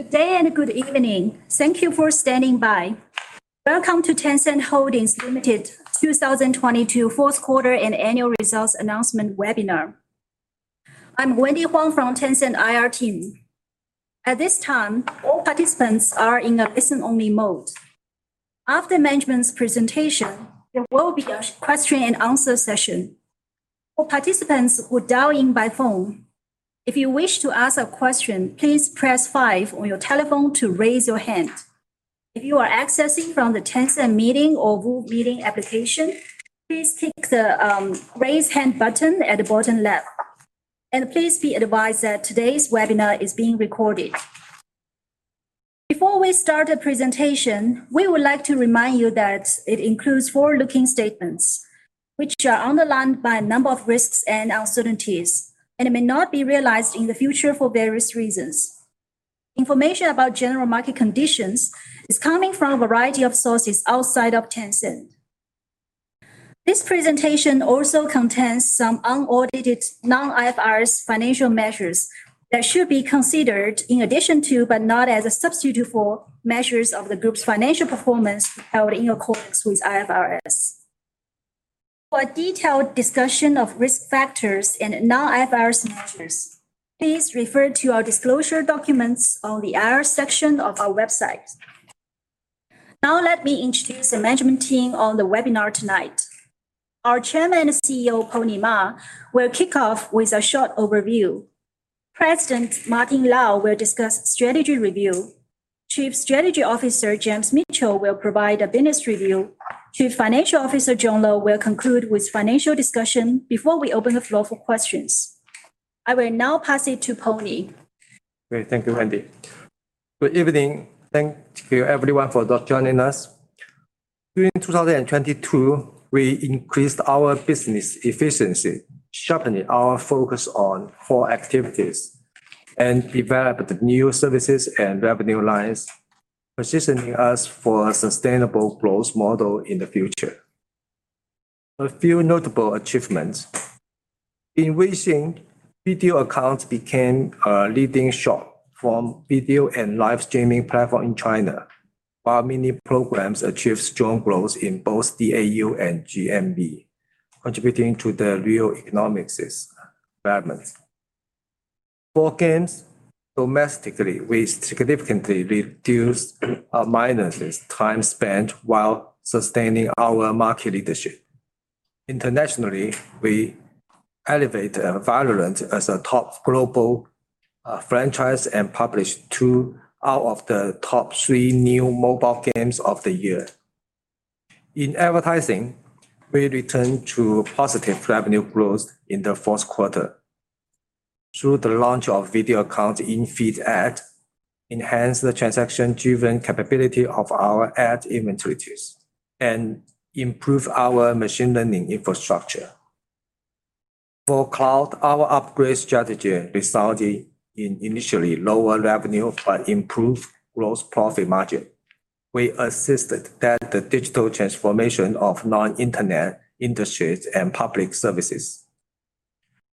Good day and good evening. Thank you for standing by. Welcome to Tencent Holdings Limited 2022 fourth quarter and annual results announcement webinar. I'm Wendy Huang from Tencent IR team. At this time, all participants are in a listen-only mode. After management's presentation, there will be a question and answer session. For participants who dial in by phone, if you wish to ask a question, please press five on your telephone to raise your hand. If you are accessing from the Tencent Meeting or VooV Meeting application, please click the raise hand button at the bottom left, and please be advised that today's webinar is being recorded. Before we start the presentation, we would like to remind you that it includes forward-looking statements which are underlined by a number of risks and uncertainties, and it may not be realized in the future for various reasons. Information about general market conditions is coming from a variety of sources outside of Tencent. This presentation also contains some unaudited non-IFRS financial measures that should be considered in addition to, but not as a substitute for measures of the group's financial performance held in accordance with IFRS. For a detailed discussion of risk factors and non-IFRS measures, please refer to our disclosure documents on the IR section of our website. Let me introduce the management team on the webinar tonight. Our Chairman and CEO, Pony Ma, will kick off with a short overview. President Martin Lau will discuss strategy review. Chief Strategy Officer James Mitchell will provide a business review. Chief Financial Officer John Lo will conclude with financial discussion before we open the floor for questions. I will now pass it to Pony. Great. Thank you, Wendy. Good evening. Thank you everyone for joining us. During 2022, we increased our business efficiency, sharpening our focus on four activities, and developed new services and revenue lines, positioning us for a sustainable growth model in the future. A few notable achievements. In Weixin, Video Accounts became a leading short-form video and live streaming platform in China, while Mini Programs achieved strong growth in both DAU and GMV, contributing to the real economics' development. For games, domestically, we significantly reduced our minor's time spent while sustaining our market leadership. Internationally, we elevate VALORANT as a top global franchise and publish two out of the top three new mobile games of the year. In advertising, we return to positive revenue growth in the fourth quarter through the launch of Video Account in-feed ad, enhance the transaction-driven capability of our ad inventories, and improve our machine learning infrastructure. For cloud, our upgrade strategy resulted in initially lower revenue but improved gross profit margin. We assisted that the digital transformation of non-internet industries and public services.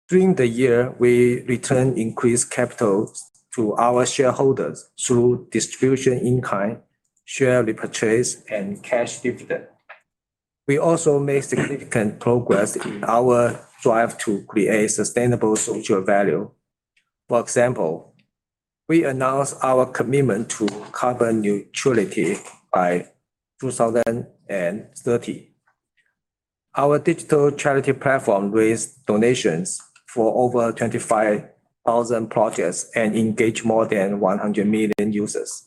During the year, we return increased capital to our shareholders through distribution in-kind, share repurchase, and cash dividend. We also made significant progress in our drive to create sustainable social value. For example, we announced our commitment to carbon neutrality by 2030. Our digital charity platform raised donations for over 25,000 projects and engaged more than 100 million users.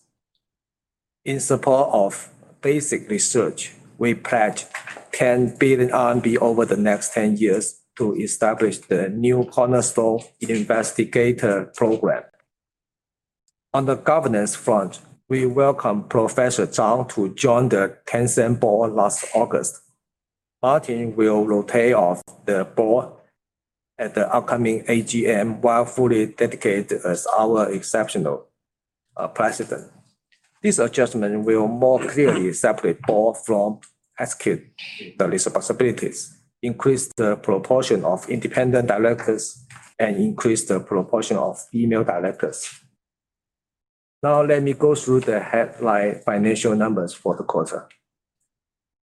In support of basic research, we pledged 10 billion RMB over the next 10 years to establish the New Cornerstone Investigator Program. On the governance front, we welcome Professor Zhang to join the Tencent Board last August. Martin will rotate off the Board at the upcoming AGM while fully dedicated as our exceptional president. This adjustment will more clearly separate Board from execute the responsibilities, increase the proportion of independent directors, and increase the proportion of female directors. Let me go through the headline financial numbers for the quarter.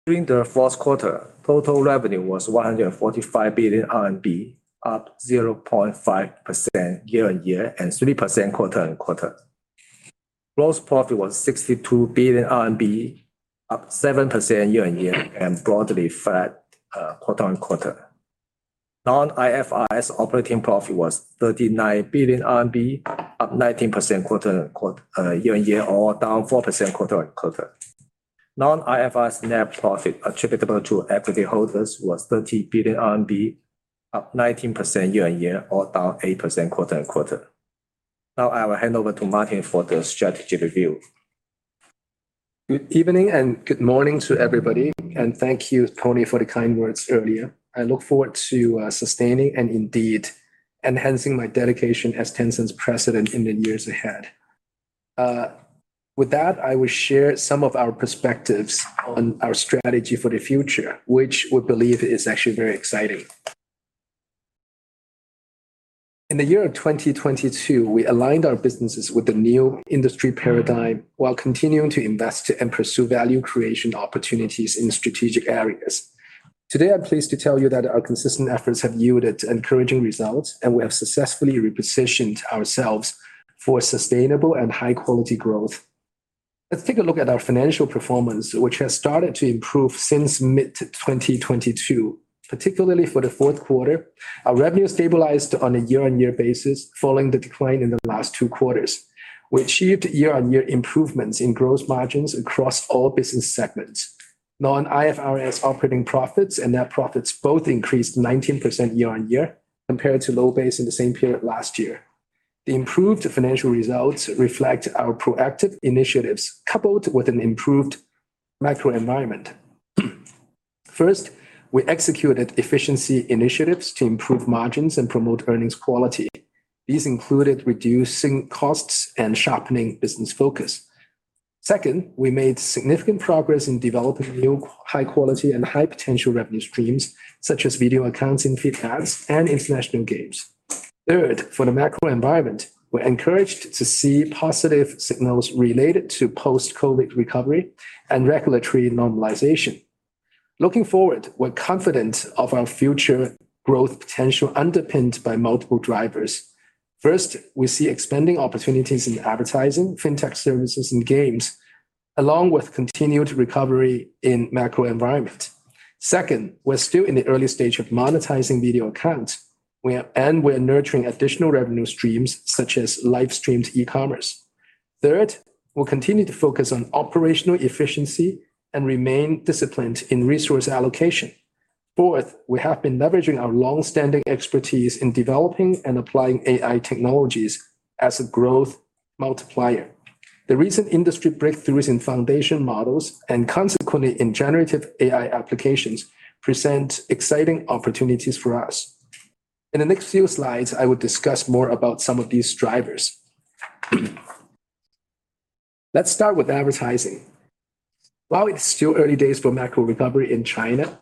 During the fourth quarter, total revenue was 145 billion RMB, up 0.5% year-on-year and 3% quarter-on-quarter. Gross profit was 62 billion RMB, up 7% year-on-year and broadly flat quarter-on-quarter. Non-IFRS operating profit was 39 billion RMB, up 19% year-on-year or down 4% quarter-on-quarter. Non-IFRS net profit attributable to equity holders was 30 billion RMB, up 19% year-on-year or down 8% quarter-on-quarter. Now I will hand over to Martin for the strategy review. Good evening and good morning to everybody, thank you, Pony, for the kind words earlier. I look forward to sustaining and indeed enhancing my dedication as Tencent's President in the years ahead. With that, I will share some of our perspectives on our strategy for the future, which we believe is actually very exciting. In the year of 2022, we aligned our businesses with the new industry paradigm while continuing to invest and pursue value creation opportunities in strategic areas. Today, I'm pleased to tell you that our consistent efforts have yielded encouraging results, and we have successfully repositioned ourselves for sustainable and high-quality growth. Let's take a look at our financial performance, which has started to improve since mid-2022. Particularly for the fourth quarter, our revenue stabilized on a year-on-year basis following the decline in the last two quarters. We achieved year-on-year improvements in gross margins across all business segments. Non-IFRS operating profits and net profits both increased 19% year-on-year compared to low base in the same period last year. The improved financial results reflect our proactive initiatives coupled with an improved macro environment. First, we executed efficiency initiatives to improve margins and promote earnings quality. These included reducing costs and sharpening business focus. Second, we made significant progress in developing new high quality and high potential revenue streams, such as Video Accounts in-feed ads and international games. Third, for the macro environment, we're encouraged to see positive signals related to post-COVID recovery and regulatory normalization. Looking forward, we're confident of our future growth potential underpinned by multiple drivers. First, we see expanding opportunities in advertising, fintech services, and games, along with continued recovery in macro environment. Second, we're still in the early stage of monetizing Video Accounts. We are nurturing additional revenue streams such as live-streamed e-commerce. Third, we'll continue to focus on operational efficiency and remain disciplined in resource allocation. Fourth, we have been leveraging our long-standing expertise in developing and applying AI technologies as a growth multiplier. The recent industry breakthroughs in foundation models and consequently in generative AI applications present exciting opportunities for us. In the next few slides, I will discuss more about some of these drivers. Let's start with advertising. While it's still early days for macro recovery in China,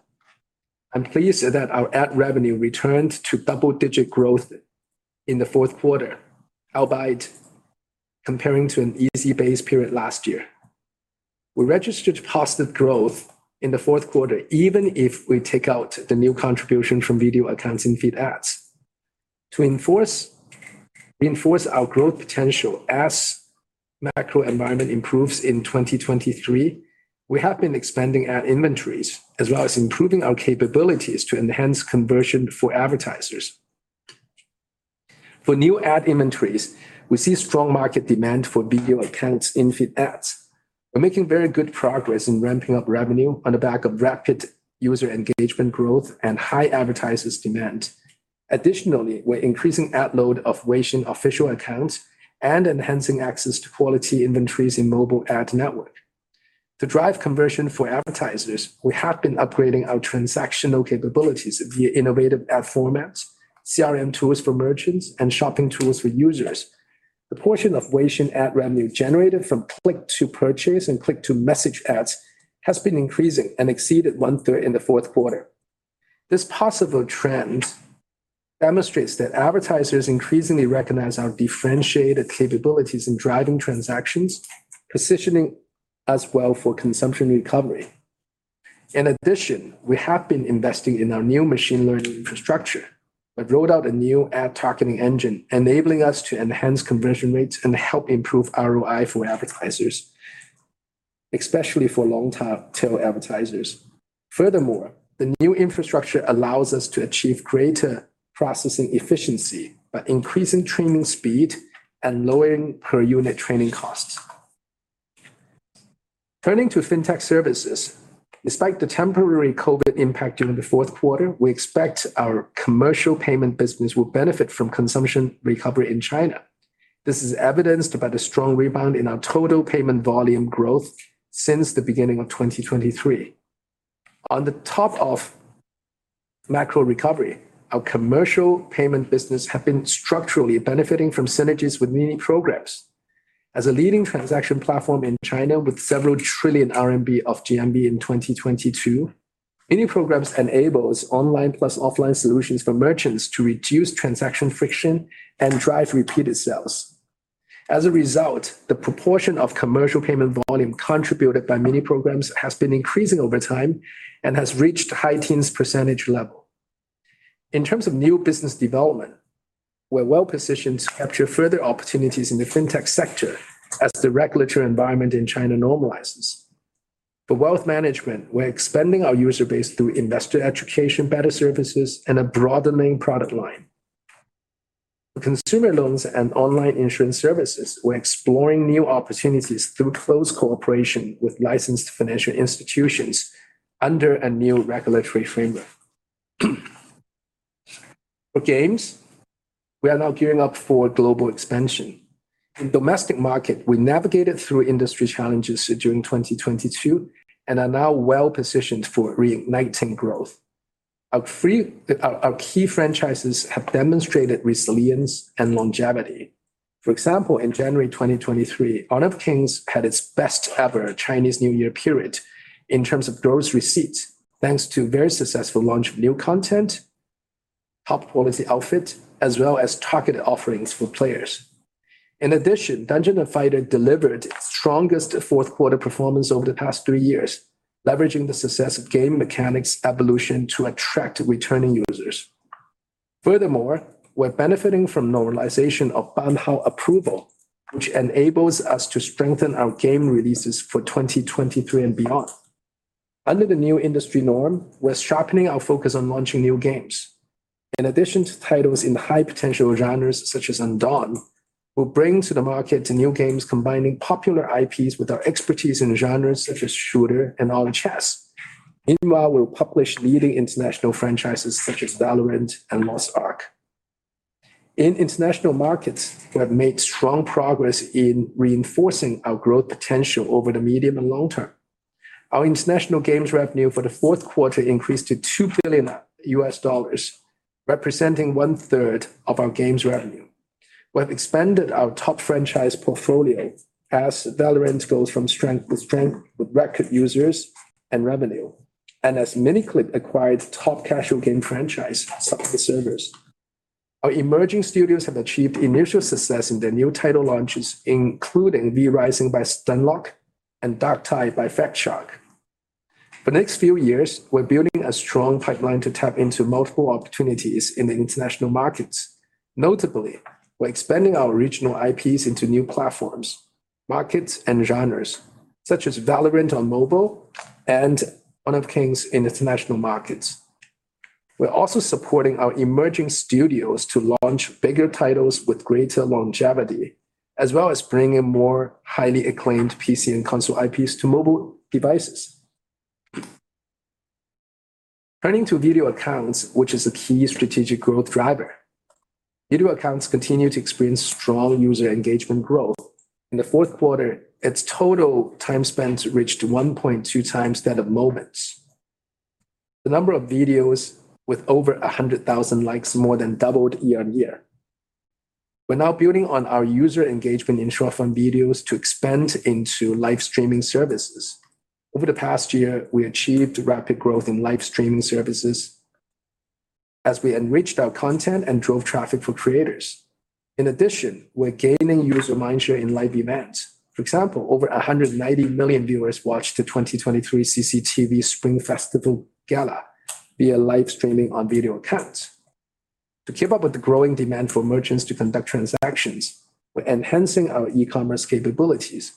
I'm pleased that our ad revenue returned to double-digit growth in the fourth quarter, albeit comparing to an easy base period last year. We registered positive growth in the fourth quarter, even if we take out the new contribution from Video Accounts in-feed ads. To enforce, reinforce our growth potential as macro environment improves in 2023, we have been expanding ad inventories as well as improving our capabilities to enhance conversion for advertisers. For new ad inventories, we see strong market demand for Video Accounts in-feed ads. We're making very good progress in ramping up revenue on the back of rapid user engagement growth and high advertisers demand. Additionally, we're increasing ad load of Weixin Official Accounts and enhancing access to quality inventories in mobile ad network. To drive conversion for advertisers, we have been upgrading our transactional capabilities via innovative ad formats, CRM tools for merchants, and shopping tools for users. The portion of Weixin ad revenue generated from click-to-purchase and click-to-message ads has been increasing and exceeded 1/3 in the fourth quarter. This possible trend demonstrates that advertisers increasingly recognize our differentiated capabilities in driving transactions, positioning us well for consumption recovery. We have been investing in our new machine learning infrastructure that rolled out a new ad targeting engine, enabling us to enhance conversion rates and help improve ROI for advertisers, especially for long-tail advertisers. The new infrastructure allows us to achieve greater processing efficiency by increasing training speed and lowering per unit training costs. Turning to FinTech services, despite the temporary COVID impact during the fourth quarter, we expect our commercial payment business will benefit from consumption recovery in China. This is evidenced by the strong rebound in our total payment volume growth since the beginning of 2023. On top of macro recovery, our commercial payment business have been structurally benefiting from synergies with Mini Programs. As a leading transaction platform in China with several trillion RMB of GMV in 2022, Mini Programs enables online plus offline solutions for merchants to reduce transaction friction and drive repeated sales. As a result, the proportion of commercial payment volume contributed by Mini Programs has been increasing over time and has reached high teens percentage level. In terms of new business development, we're well-positioned to capture further opportunities in the FinTech sector as the regulatory environment in China normalizes. For wealth management, we're expanding our user base through investor education, better services, and a broadening product line. For consumer loans and online insurance services, we're exploring new opportunities through close cooperation with licensed financial institutions under a new regulatory framework. For games, we are now gearing up for global expansion. In domestic market, we navigated through industry challenges during 2022 and are now well-positioned for reigniting growth. Our key franchises have demonstrated resilience and longevity. For example, in January 2023, Honor of Kings had its best ever Chinese New Year period in terms of gross receipts, thanks to very successful launch of new content, top quality outfit, as well as targeted offerings for players. In addition, Dungeon and Fighter delivered its strongest fourth quarter performance over the past three years, leveraging the success of game mechanics evolution to attract returning users. Furthermore, we're benefiting from normalization of Banhao approval, which enables us to strengthen our game releases for 2023 and beyond. Under the new industry norm, we're sharpening our focus on launching new games. In addition to titles in high potential genres such as Undawn, we'll bring to the market new games combining popular IPs with our expertise in genres such as shooter and auto chess. We'll publish leading international franchises such as VALORANT and Lost Ark. In international markets, we have made strong progress in reinforcing our growth potential over the medium and long term. Our international games revenue for the fourth quarter increased to $2 billion, representing 1/3 of our games revenue. We have expanded our top franchise portfolio as VALORANT goes from strength to strength with record users and revenue. As Miniclip acquired top casual game franchise, Subway Surfers. Our emerging studios have achieved initial success in their new title launches, including V Rising by Stunlock and Darktide by Fatshark. The next few years, we're building a strong pipeline to tap into multiple opportunities in the international markets. Notably, we're expanding our regional IPs into new platforms, markets, and genres such as VALORANT on mobile and Honor of Kings in international markets. We're also supporting our emerging studios to launch bigger titles with greater longevity, as well as bring in more highly acclaimed PC and console IPs to mobile devices. Turning to Video Accounts, which is a key strategic growth driver. Video Accounts continue to experience strong user engagement growth. In the fourth quarter, its total time spent reached 1.2x that of Moments. The number of videos with over 100,000 likes more than doubled year-over-year. We're now building on our user engagement in short-form videos to expand into live streaming services. Over the past year, we achieved rapid growth in live streaming services as we enriched our content and drove traffic for creators. We're gaining user mindshare in live events. For example, over 190 million viewers watched the 2023 CCTV Spring Festival Gala via live streaming on Video Accounts. To keep up with the growing demand for merchants to conduct transactions, we're enhancing our e-commerce capabilities.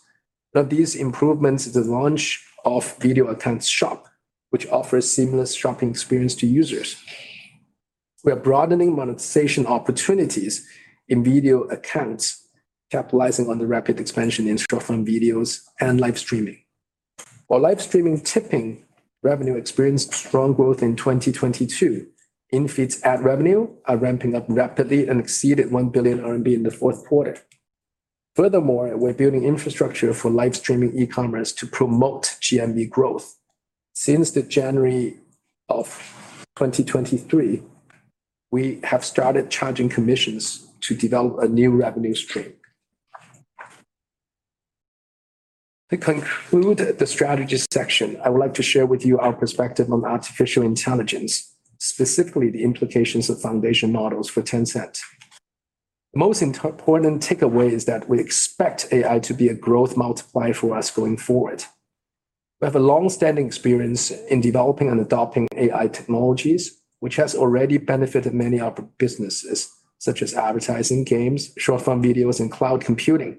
One of these improvements is the launch of Video Accounts Shop, which offers seamless shopping experience to users. We are broadening monetization opportunities in Video Accounts, capitalizing on the rapid expansion in short-form videos and live streaming. While live streaming tipping revenue experienced strong growth in 2022, in-feed ad revenue are ramping up rapidly and exceeded 1 billion RMB in the fourth quarter. We're building infrastructure for live streaming e-commerce to promote GMV growth. Since the January 2023, we have started charging commissions to develop a new revenue stream. To conclude the strategies section, I would like to share with you our perspective on artificial intelligence, specifically the implications of foundation models for Tencent. The most important takeaway is that we expect AI to be a growth multiplier for us going forward. We have a long-standing experience in developing and adopting AI technologies, which has already benefited many of our businesses, such as advertising, games, short-form videos, and cloud computing.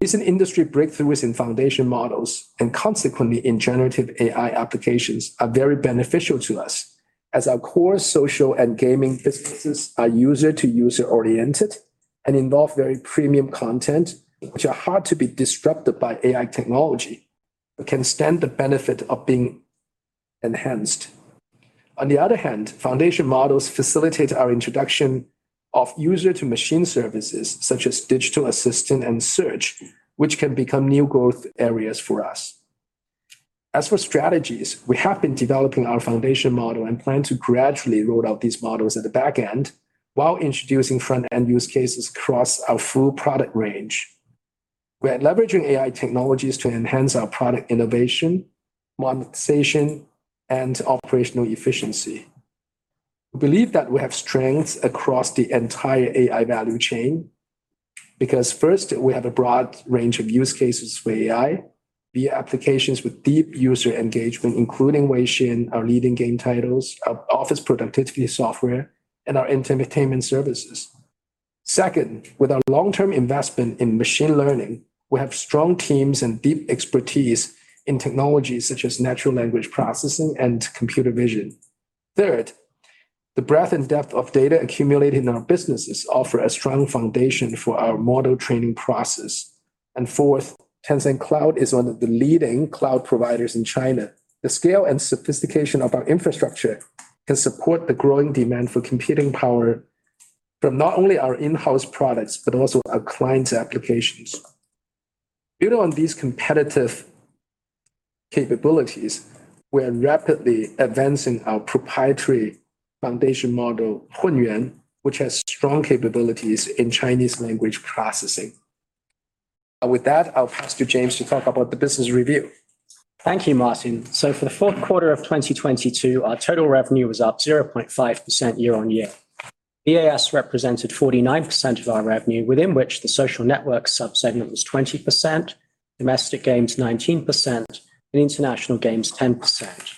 Recent industry breakthroughs in foundation models, and consequently in generative AI applications, are very beneficial to us, as our core social and gaming businesses are user-to-user oriented and involve very premium content, which are hard to be disrupted by AI technology, but can stand the benefit of being enhanced. On the other hand, foundation models facilitate our introduction of user-to-machine services, such as digital assistant and search, which can become new growth areas for us. As for strategies, we have been developing our foundation model and plan to gradually roll out these models at the back end while introducing front-end use cases across our full product range. We are leveraging AI technologies to enhance our product innovation, monetization, and operational efficiency. We believe that we have strengths across the entire AI value chain because first, we have a broad range of use cases for AI via applications with deep user engagement, including Weixin, our leading game titles, our office productivity software, and our entertainment services. Second, with our long-term investment in machine learning, we have strong teams and deep expertise in technologies such as natural language processing and computer vision. Third, the breadth and depth of data accumulated in our businesses offer a strong foundation for our model training process. Fourth, Tencent Cloud is one of the leading cloud providers in China. The scale and sophistication of our infrastructure can support the growing demand for computing power from not only our in-house products, but also our clients' applications. Building on these competitive capabilities. We are rapidly advancing our proprietary foundation model, Hunyuan, which has strong capabilities in Chinese language processing. With that, I'll pass to James to talk about the business review. Thank you, Martin. For the fourth quarter of 2022, our total revenue was up 0.5% year-on-year. VAS represented 49% of our revenue, within which the social network sub-segment was 20%, domestic games 19%, and international games 10%.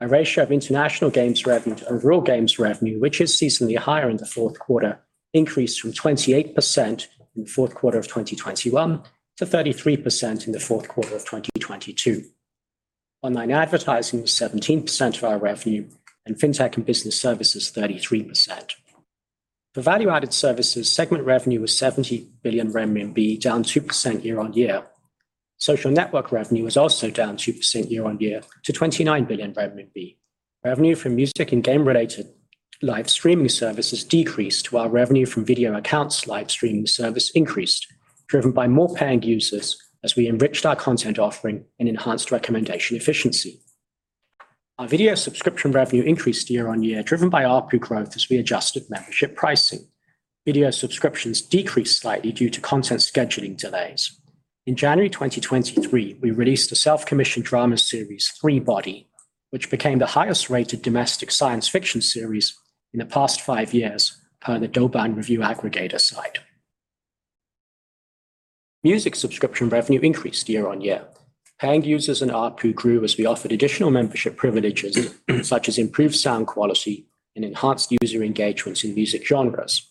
Our ratio of international games revenue to overall games revenue, which is seasonally higher in the fourth quarter, increased from 28% in the fourth quarter of 2021 to 33% in the fourth quarter of 2022. Online advertising was 17% of our revenue, FinTech and Business Service is 33%. For value-added services, segment revenue was 70 billion RMB, down 2% year-on-year. Social network revenue was also down 2% year-on-year to 29 billion RMB. Revenue from music and game-related live streaming services decreased, while revenue from Video Accounts live streaming service increased, driven by more paying users as we enriched our content offering and enhanced recommendation efficiency. Our video subscription revenue increased year-on-year, driven by ARPU growth as we adjusted membership pricing. Video subscriptions decreased slightly due to content scheduling delays. In January 2023, we released a self-commissioned drama series, Three-Body, which became the highest-rated domestic science fiction series in the past five years per the Douban review aggregator site. Music subscription revenue increased year-on-year. Paying users and ARPU grew as we offered additional membership privileges such as improved sound quality and enhanced user engagements in music genres.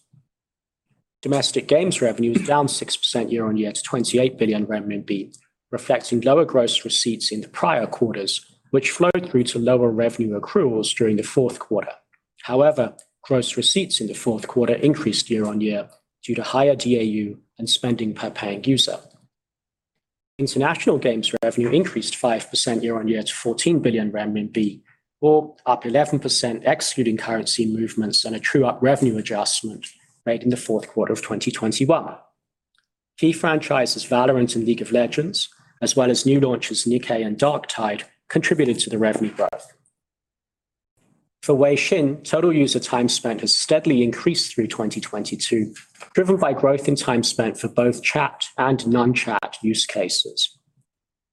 Domestic games revenue was down 6% year-on-year to 28 billion RMB, reflecting lower gross receipts in the prior quarters, which flowed through to lower revenue accruals during the fourth quarter. However, gross receipts in the fourth quarter increased year-on-year due to higher DAU and spending per paying user. International games revenue increased 5% year-on-year to 14 billion RMB, or up 11% excluding currency movements and a true-up revenue adjustment made in the fourth quarter of 2021. Key franchises VALORANT and League of Legends, as well as new launches Nikke and Darktide, contributed to the revenue growth. For Weixin, total user time spent has steadily increased through 2022, driven by growth in time spent for both chat and non-chat use cases.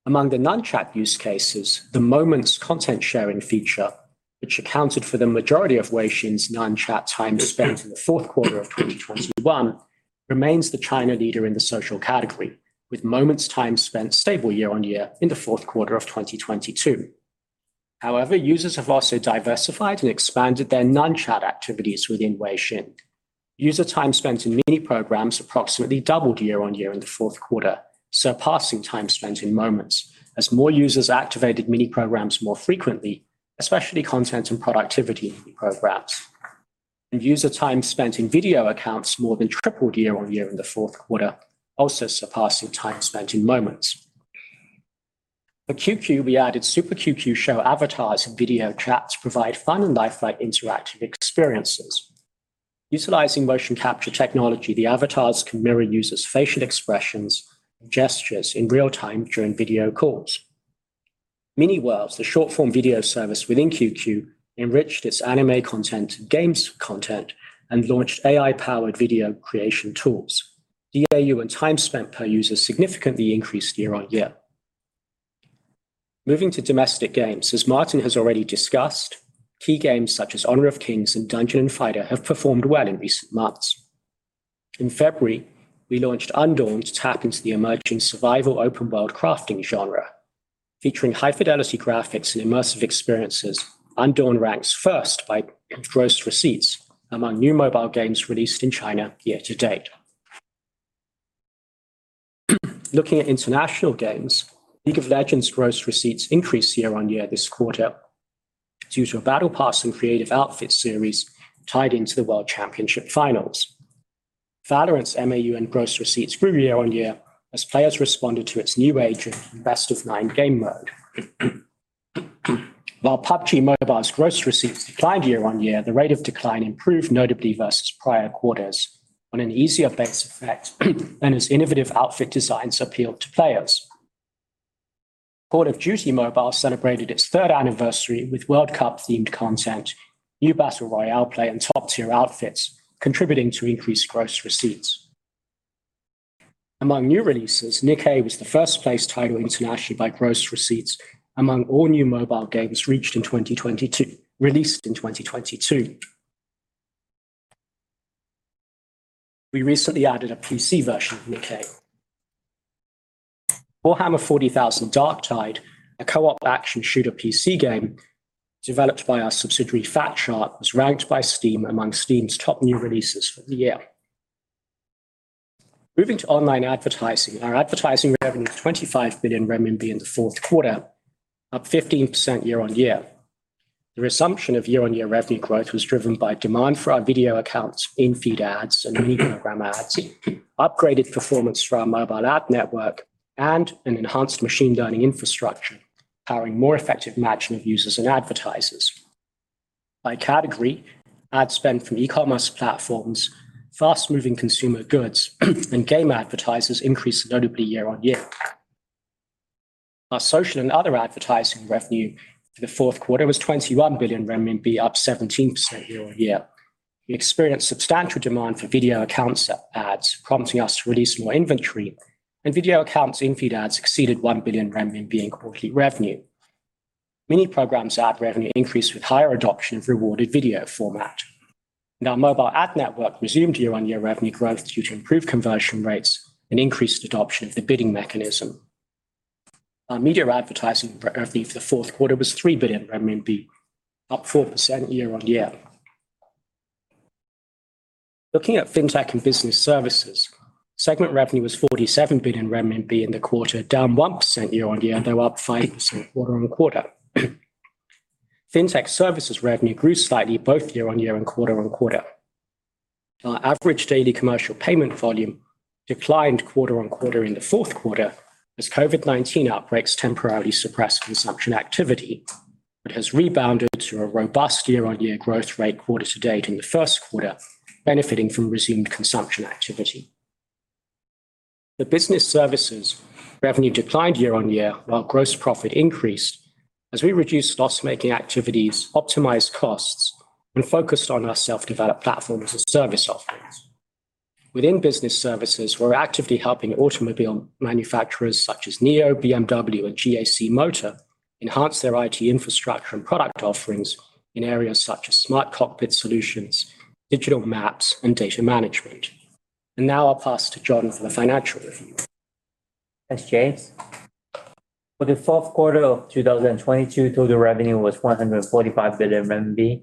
Among the non-chat use cases, the Moments content sharing feature, which accounted for the majority of Weixin's non-chat time spent in the fourth quarter of 2021, remains the China leader in the social category, with Moments time spent stable year-on-year in the fourth quarter of 2022. However, users have also diversified and expanded their non-chat activities within Weixin. User time spent in Mini Programs approximately doubled year-on-year in the fourth quarter, surpassing time spent in Moments as more users activated Mini Programs more frequently, especially content and productivity programs. User time spent in Video Accounts more than tripled year-on-year in the fourth quarter, also surpassing time spent in Moments. For QQ, we added Super QQ Show avatars in video chats to provide fun and lifelike interactive experiences. Utilizing motion capture technology, the avatars can mirror users' facial expressions and gestures in real time during video calls. Mini World, the short-form video service within QQ, enriched its anime content, games content, and launched AI-powered video creation tools. DAU and time spent per user significantly increased year-on-year. Moving to domestic games, as Martin has already discussed, key games such as Honor of Kings and Dungeon and Fighter have performed well in recent months. In February, we launched Undawn to tap into the emerging Survival-Open World-Crafting genre. Featuring high-fidelity graphics and immersive experiences, Undawn ranks first by gross receipts among new mobile games released in China year-to-date. Looking at international games, League of Legends gross receipts increased year-on-year this quarter due to a Battle Pass and creative outfit series tied into the World Championship Finals. VALORANT's MAU and gross receipts grew year-on-year as players responded to its new agent and best-of-nine game mode. While PUBG Mobile's gross receipts declined year-on-year, the rate of decline improved notably versus prior quarters on an easier base effect and its innovative outfit designs appealed to players. Call of Duty Mobile celebrated its third anniversary with World Cup-themed content, new battle royale play, and top-tier outfits, contributing to increased gross receipts. Among new releases, Nikke was the first-place title internationally by gross receipts among all new mobile games released in 2022. We recently added a PC version of Nikke. Warhammer 40,000: Darktide, a co-op action shooter PC game developed by our subsidiary Fatshark, was ranked by Steam among Steam's top new releases for the year. Moving to online advertising, our advertising revenue was 25 billion RMB in the fourth quarter, up 15% year-on-year. The resumption of year-on-year revenue growth was driven by demand for our Video Accounts in-feed ads and Mini Programs ads, upgraded performance from our mobile ad network, and an enhanced machine learning infrastructure powering more effective matching of users and advertisers. By category, ad spend from e-commerce platforms, fast-moving consumer goods and game advertisers increased notably year on year. Our social and other advertising revenue for the fourth quarter was 21 billion renminbi, up 17% year on year. We experienced substantial demand for Video Accounts ads, prompting us to release more inventory. Video Accounts in-feed ads exceeded 1 billion RMB in quarterly revenue. Mini Programs ad revenue increased with higher adoption of rewarded video format. Our mobile ad network resumed year on year revenue growth due to improved conversion rates and increased adoption of the bidding mechanism. Our media advertising revenue for the fourth quarter was 3 billion RMB, up 4% year-on-year. Looking at FinTech and Business Services, segment revenue was 47 billion renminbi in the quarter, down 1% year-on-year, though up 5% quarter-on-quarter. FinTech services revenue grew slightly both year-on-year and quarter-on-quarter. Our average daily commercial payment volume declined quarter-on-quarter in the fourth quarter as COVID-19 outbreaks temporarily suppressed consumption activity but has rebounded to a robust year-on-year growth rate quarter to date in the first quarter, benefiting from resumed consumption activity. The Business Services revenue declined year-on-year while gross profit increased as we reduced loss-making activities, optimized costs, and focused on our self-developed platform as a service offerings. Within Business Services, we're actively helping automobile manufacturers such as NIO, BMW, and GAC Motor enhance their IT infrastructure and product offerings in areas such as smart cockpit solutions, digital maps, and data management. Now I'll pass to John for the financial review. Thanks, James. For the fourth quarter of 2022, total revenue was 145 billion RMB,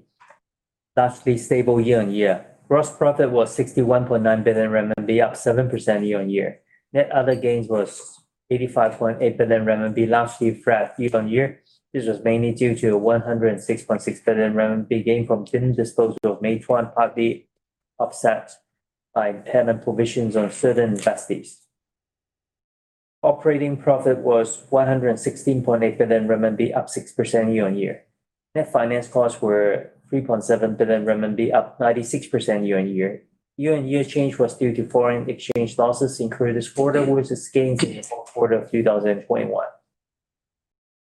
largely stable year-on-year. Gross profit was 61.9 billion RMB, up 7% year-on-year. Net other gains was 85.8 billion RMB last year flat year-on-year. This was mainly due to 106.6 billion RMB gain from certain disposal of Meituan, partly offset by impairment provisions on certain investees. Operating profit was 116.8 billion RMB, up 6% year-on-year. Net finance costs were 3.7 billion RMB, up 96% year-on-year. Year-on-year change was due to foreign exchange losses incurred this quarter versus gains in the fourth quarter of 2021.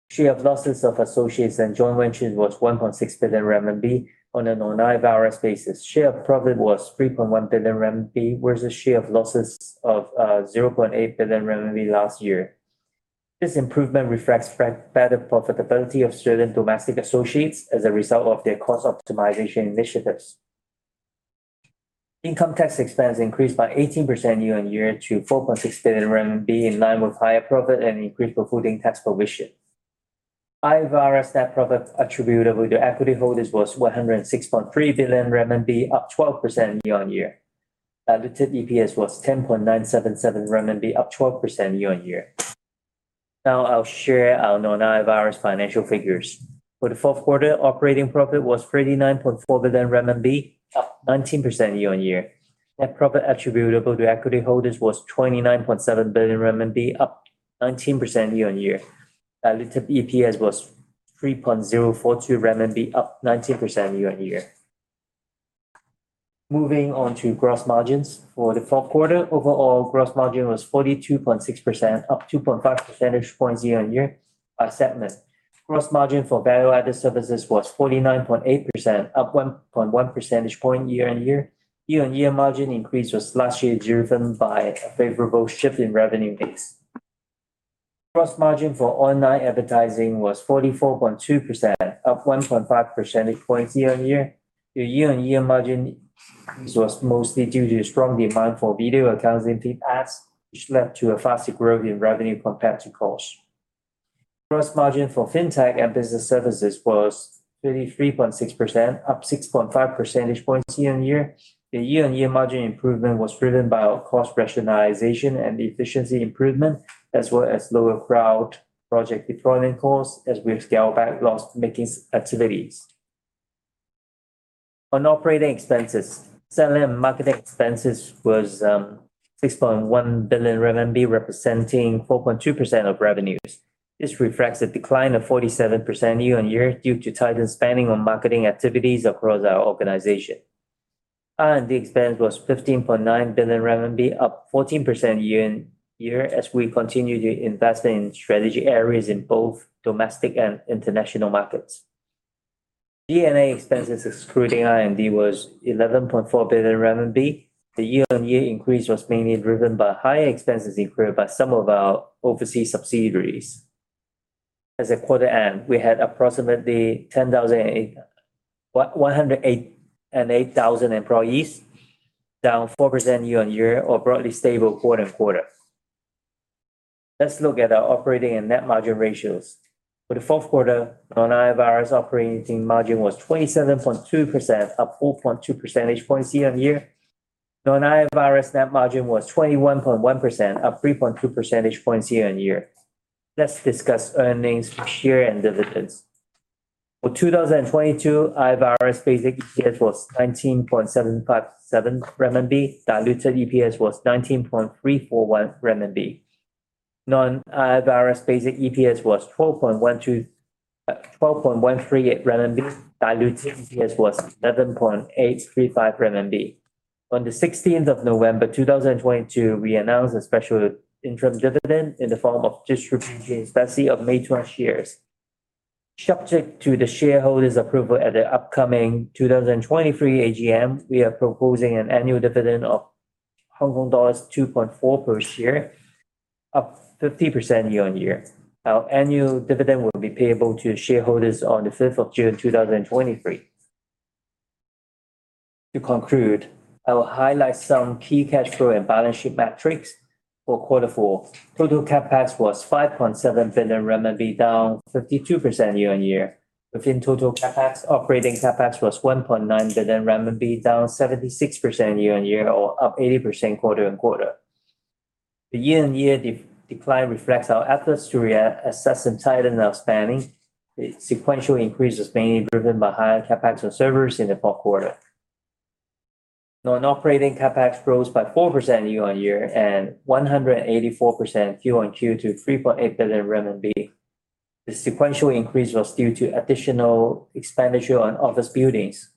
Share of losses of associates and joint ventures was 1.6 billion RMB on a non-IFRS basis. Share of profit was 3.1 billion RMB versus share of losses of 0.8 billion RMB last year. This improvement reflects better profitability of certain domestic associates as a result of their cost optimization initiatives. Income tax expense increased by 18% year-on-year to 4.6 billion RMB, in line with higher profit and increased withholding tax provision. IFRS net profit attributable to equity holders was 106.3 billion RMB, up 12% year-on-year. Diluted EPS was 10.977 RMB, up 12% year-on-year. Now I'll share our non-IFRS financial figures. For the fourth quarter, operating profit was 39.4 billion RMB, up 19% year-on-year. Net profit attributable to equity holders was 29.7 billion RMB, up 19% year-on-year. Diluted EPS was 3.042 RMB, up 19% year-on-year. Moving on to gross margins. For the fourth quarter, overall gross margin was 42.6%, up 2.5 percentage points year-on-year by segment. Gross margin for value-added services was 49.8%, up 1.1 percentage point year-on-year. Year-on-year margin increase was largely driven by a favorable shift in revenue mix. Gross margin for online advertising was 44.2%, up 1.5 percentage points year-on-year. The year-on-year margin was mostly due to strong demand for Video Accounts and feed ads, which led to a faster growth in revenue compared to cost. Gross margin for FinTech and Business Services was 33.6%, up 6.5 percentage points year-over-year. The year-over-year margin improvement was driven by our cost rationalization and efficiency improvement, as well as lower cloud project deployment costs as we've scaled back loss-making activities. On operating expenses, selling and marketing expenses was 6.1 billion RMB, representing 4.2% of revenues. This reflects a decline of 47% year-over-year due to tightened spending on marketing activities across our organization. R&D expense was 15.9 billion RMB, up 14% year-over-year as we continue to invest in strategy areas in both domestic and international markets. G&A expenses excluding R&D was 11.4 billion RMB. The year-over-year increase was mainly driven by higher expenses incurred by some of our overseas subsidiaries. As of quarter end, we had approximately 108,000 employees, down 4% year-on-year or broadly stable quarter-on-quarter. Let's look at our operating and net margin ratios. For the fourth quarter, non-IFRS operating margin was 27.2%, up 4.2 percentage points year-on-year. Non-IFRS net margin was 21.1%, up 3.2 percentage points year-on-year. Let's discuss earnings per share and dividends. For 2022, IFRS basic EPS was 19.757 RMB. Diluted EPS was 19.341 RMB. Non-GAAP basic EPS was 12.138 RMB. Diluted EPS was 11.835 RMB. On the 16th of November, 2022, we announced a special interim dividend in the form of distributing a specially of May 20 shares. Subject to the shareholders' approval at the upcoming 2023 AGM, we are proposing an annual dividend of Hong Kong dollars 2.4 per share, up 50% year-on-year. Our annual dividend will be payable to shareholders on the 5th of June, 2023. To conclude, I will highlight some key cash flow and balance sheet metrics for Q4. Total CapEx was 5.7 billion RMB, down 52% year-on-year. Within total CapEx, operating CapEx was 1.9 billion RMB, down 76% year-on-year or up 80% quarter-on-quarter. The year-on-year decline reflects our efforts to re-assess and tighten our spending. The sequential increase is mainly driven by higher CapEx on servers in the fourth quarter. Non-operating CapEx rose by 4% year-on-year and 184% quarter-on-quarter to 3.8 billion renminbi. The sequential increase was due to additional expenditure on office buildings.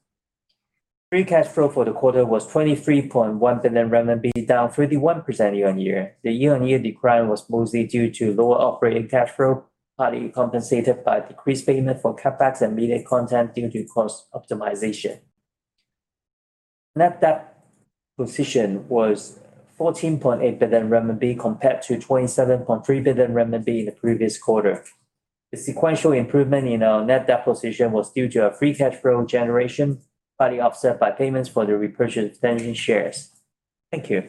Free cash flow for the quarter was 23.1 billion RMB, down 31% year-on-year. The year-on-year decline was mostly due to lower operating cash flow, partly compensated by decreased payment for CapEx and media content due to cost optimization. Net debt position was 14.8 billion RMB compared to 27.3 billion RMB in the previous quarter. The sequential improvement in our net debt position was due to a free cash flow generation, partly offset by payments for the repurchase outstanding shares. Thank you.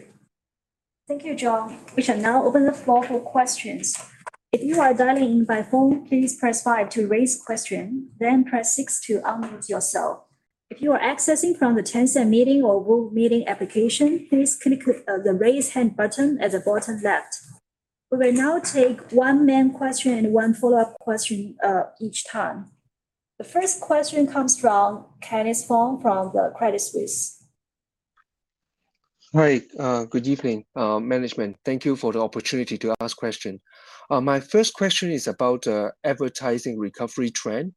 Thank you, John. We shall now open the floor for questions. If you are dialing in by phone, please press five to raise question, then press six to unmute yourself. If you are accessing from the Tencent Meeting or VooV Meeting application, please click the Raise Hand button at the bottom left. We will now take one main question and one follow-up question each time. The first question comes from Kenneth Fong from the Credit Suisse. Hi. Good evening, management. Thank you for the opportunity to ask question. My first question is about advertising recovery trend.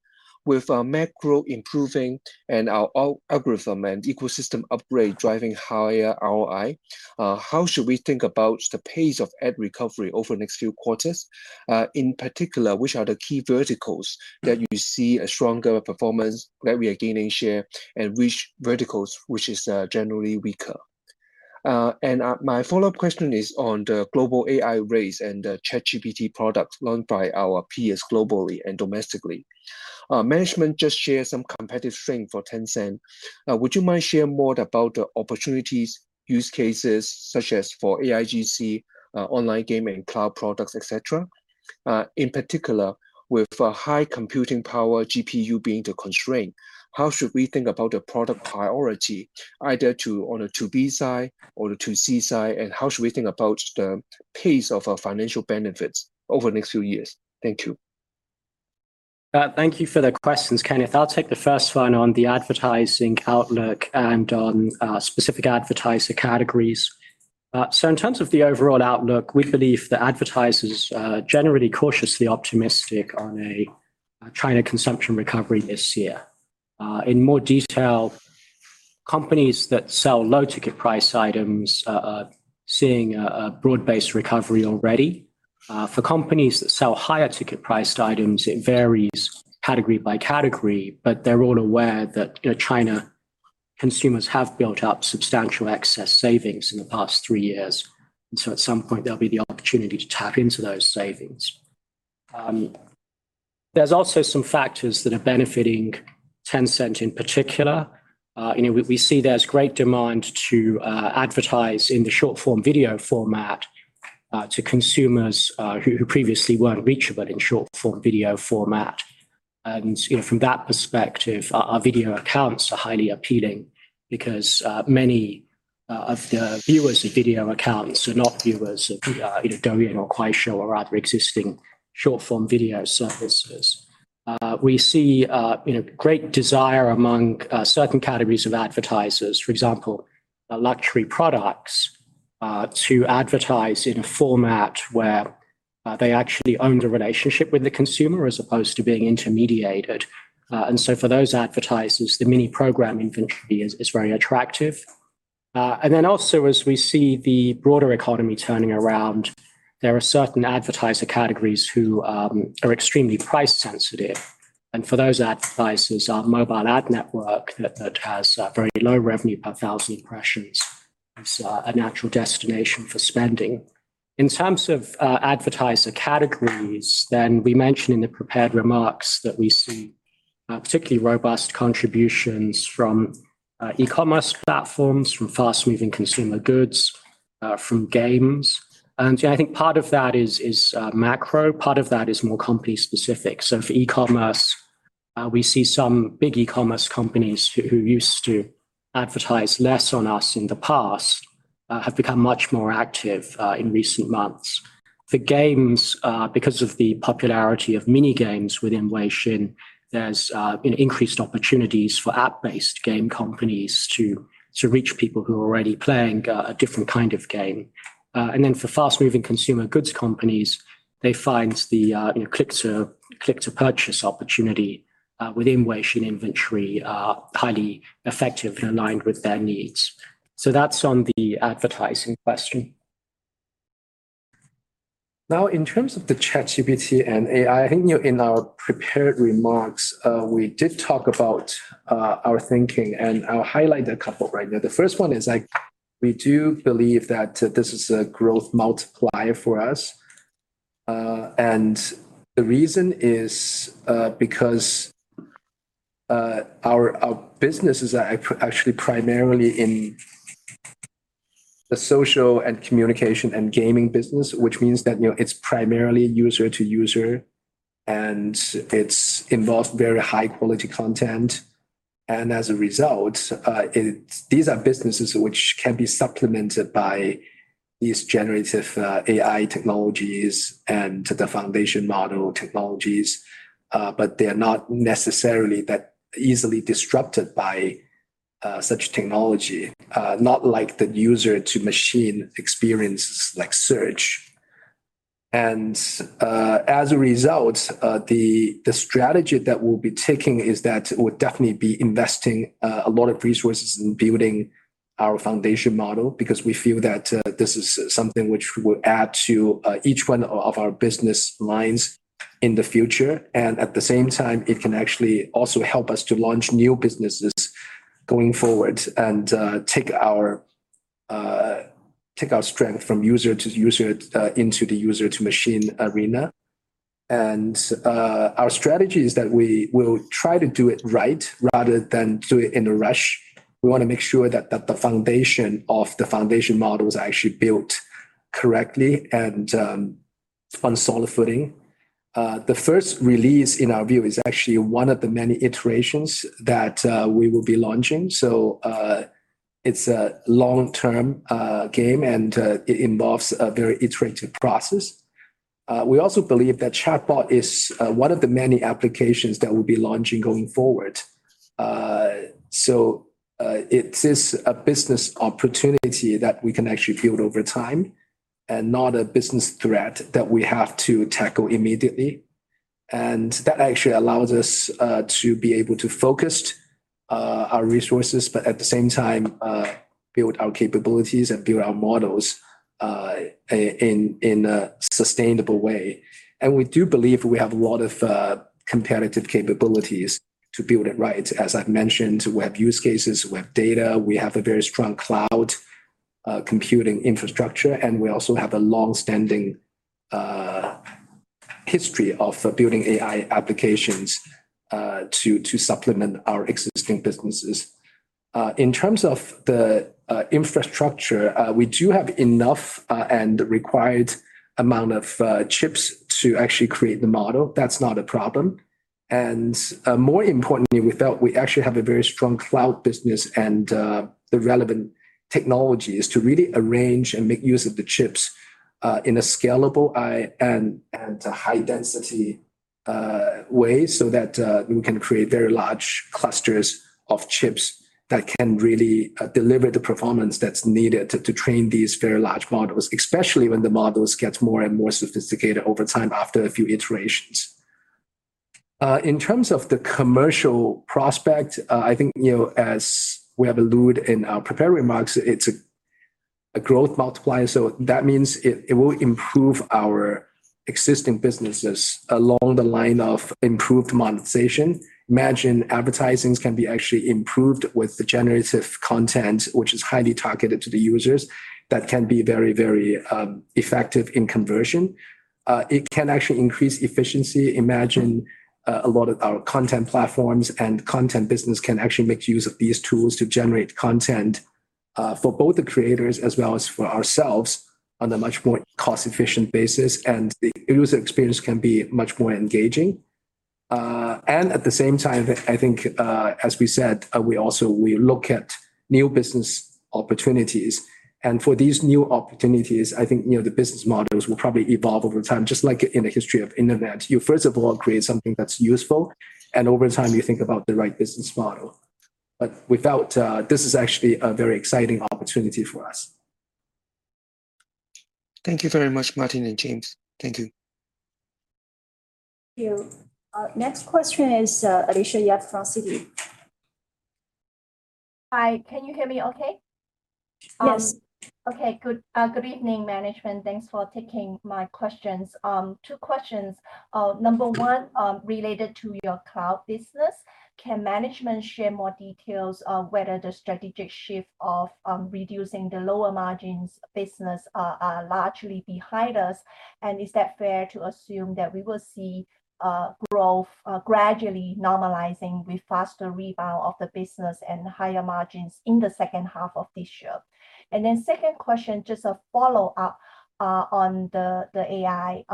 With our macro improving and our algorithm and ecosystem upgrade driving higher ROI, how should we think about the pace of ad recovery over the next few quarters? In particular, which are the key verticals that you see a stronger performance, where we are gaining share, and which verticals which is generally weaker? My follow-up question is on the global AI race and the ChatGPT product launched by our peers globally and domestically. Management just shared some competitive strength for Tencent. Would you mind sharing more about the opportunities, use cases, such as for AIGC, online gaming, cloud products, et cetera? In particular, with high computing power GPU being the constraint, how should we think about the product priority, on a to-B side or the to-C side, and how should we think about the pace of our financial benefits over the next few years? Thank you. Thank you for the questions, Kenneth. I'll take the first one on the advertising outlook and on specific advertiser categories. In terms of the overall outlook, we believe the advertisers are generally cautiously optimistic on a China consumption recovery this year. In more detail, companies that sell low-ticket price items are seeing a broad-based recovery already. For companies that sell higher-ticket priced items, it varies category by category, but they're all aware that, you know, China consumers have built up substantial excess savings in the past three years. At some point, there'll be the opportunity to tap into those savings. There's also some factors that are benefiting Tencent in particular. You know, we see there's great demand to advertise in the short-form video format to consumers who previously weren't reachable in short-form video format. You know, from that perspective, our Video Accounts are highly appealing because many of the viewers of Video Accounts are not viewers of, you know, Douyin or Kuaishou or other existing short-form video services. We see, you know, great desire among certain categories of advertisers, for example, luxury products, to advertise in a format where they actually own the relationship with the consumer as opposed to being intermediated. For those advertisers, the Mini Program inventory is very attractive. Also as we see the broader economy turning around, there are certain advertiser categories who are extremely price sensitive. For those advertisers, our mobile ad network that has very low revenue per 1,000 impressions is a natural destination for spending. In terms of advertiser categories, we mentioned in the prepared remarks that we see particularly robust contributions from e-commerce platforms, from fast-moving consumer goods, from games. You know, I think part of that is macro, part of that is more company specific. For e-commerce, we see some big e-commerce companies who used to advertise less on us in the past have become much more active in recent months. For games, because of the popularity of mini games within Weixin, there's you know, increased opportunities for app-based game companies to reach people who are already playing a different kind of game. For fast-moving consumer goods companies, they find the, you know, click-to-purchase opportunity. Within Weixin inventory are highly effective and aligned with their needs. That's on the advertising question. In terms of the ChatGPT and AI, I think, you know, in our prepared remarks, we did talk about our thinking, and I'll highlight a couple right now. The first one is, like, we do believe that this is a growth multiplier for us. And the reason is because our business is actually primarily in the social and communication and gaming business which means that, you know, it's primarily user to user, and it's involved very high quality content. As a result, it's. These are businesses which can be supplemented by these generative AI technologies and to the foundation model technologies. They're not necessarily that easily disrupted by such technology, not like the user-to-machine experiences like search. As a result, the strategy that we'll be taking is that we'll definitely be investing a lot of resources in building our foundation model because we feel that this is something which will add to each one of our business lines in the future. At the same time, it can actually also help us to launch new businesses going forward and take our strength from user to user into the user-to-machine arena. Our strategy is that we will try to do it right rather than do it in a rush. We wanna make sure that the foundation of the foundation model is actually built correctly and on solid footing. The first release in our view is actually one of the many iterations that we will be launching. It's a long-term game and it involves a very iterative process. We also believe that chatbot is one of the many applications that we'll be launching going forward. It is a business opportunity that we can actually build over time and not a business threat that we have to tackle immediately. That actually allows us to be able to focus our resources, but at the same time, build our capabilities and build our models in a sustainable way. We do believe we have a lot of competitive capabilities to build it right. As I've mentioned, we have use cases, we have data, we have a very strong cloud computing infrastructure, and we also have a long-standing history of building AI applications to supplement our existing businesses. In terms of the infrastructure, we do have enough and required amount of chips to actually create the model. That's not a problem. More importantly, we felt we actually have a very strong cloud business and the relevant technologies to really arrange and make use of the chips in a scalable and a high density way so that we can create very large clusters of chips that can really deliver the performance that's needed to train these very large models, especially when the models get more and more sophisticated over time after a few iterations. In terms of the commercial prospect, I think, you know, as we have alluded in our prepared remarks, it's a growth multiplier. That means it will improve our existing businesses along the line of improved monetization. Imagine, advertisings can be actually improved with the generative content, which is highly targeted to the users. That can be very, very effective in conversion. It can actually increase efficiency. Imagine, a lot of our content platforms and content business can actually make use of these tools to generate content, for both the creators as well as for ourselves on a much more cost-efficient basis, and the user experience can be much more engaging. At the same time, I think, as we said, we also we look at new business opportunities. For these new opportunities, I think, you know, the business models will probably evolve over time, just like in the history of internet. You first of all create something that's useful, and over time you think about the right business model. Without, this is actually a very exciting opportunity for us. Thank you very much, Martin and James. Thank you. Thank you. Next question is, Alicia Yap from Citi. Hi. Can you hear me okay? Yes. Okay. Good evening, management. Thanks for taking my questions. Two questions. Number one, related to your cloud business. Can management share more details on whether the strategic shift of reducing the lower margins business are largely behind us? Is that fair to assume that we will see growth gradually normalizing with faster rebound of the business and higher margins in the second half of this year? Second question, just a follow-up on the AI.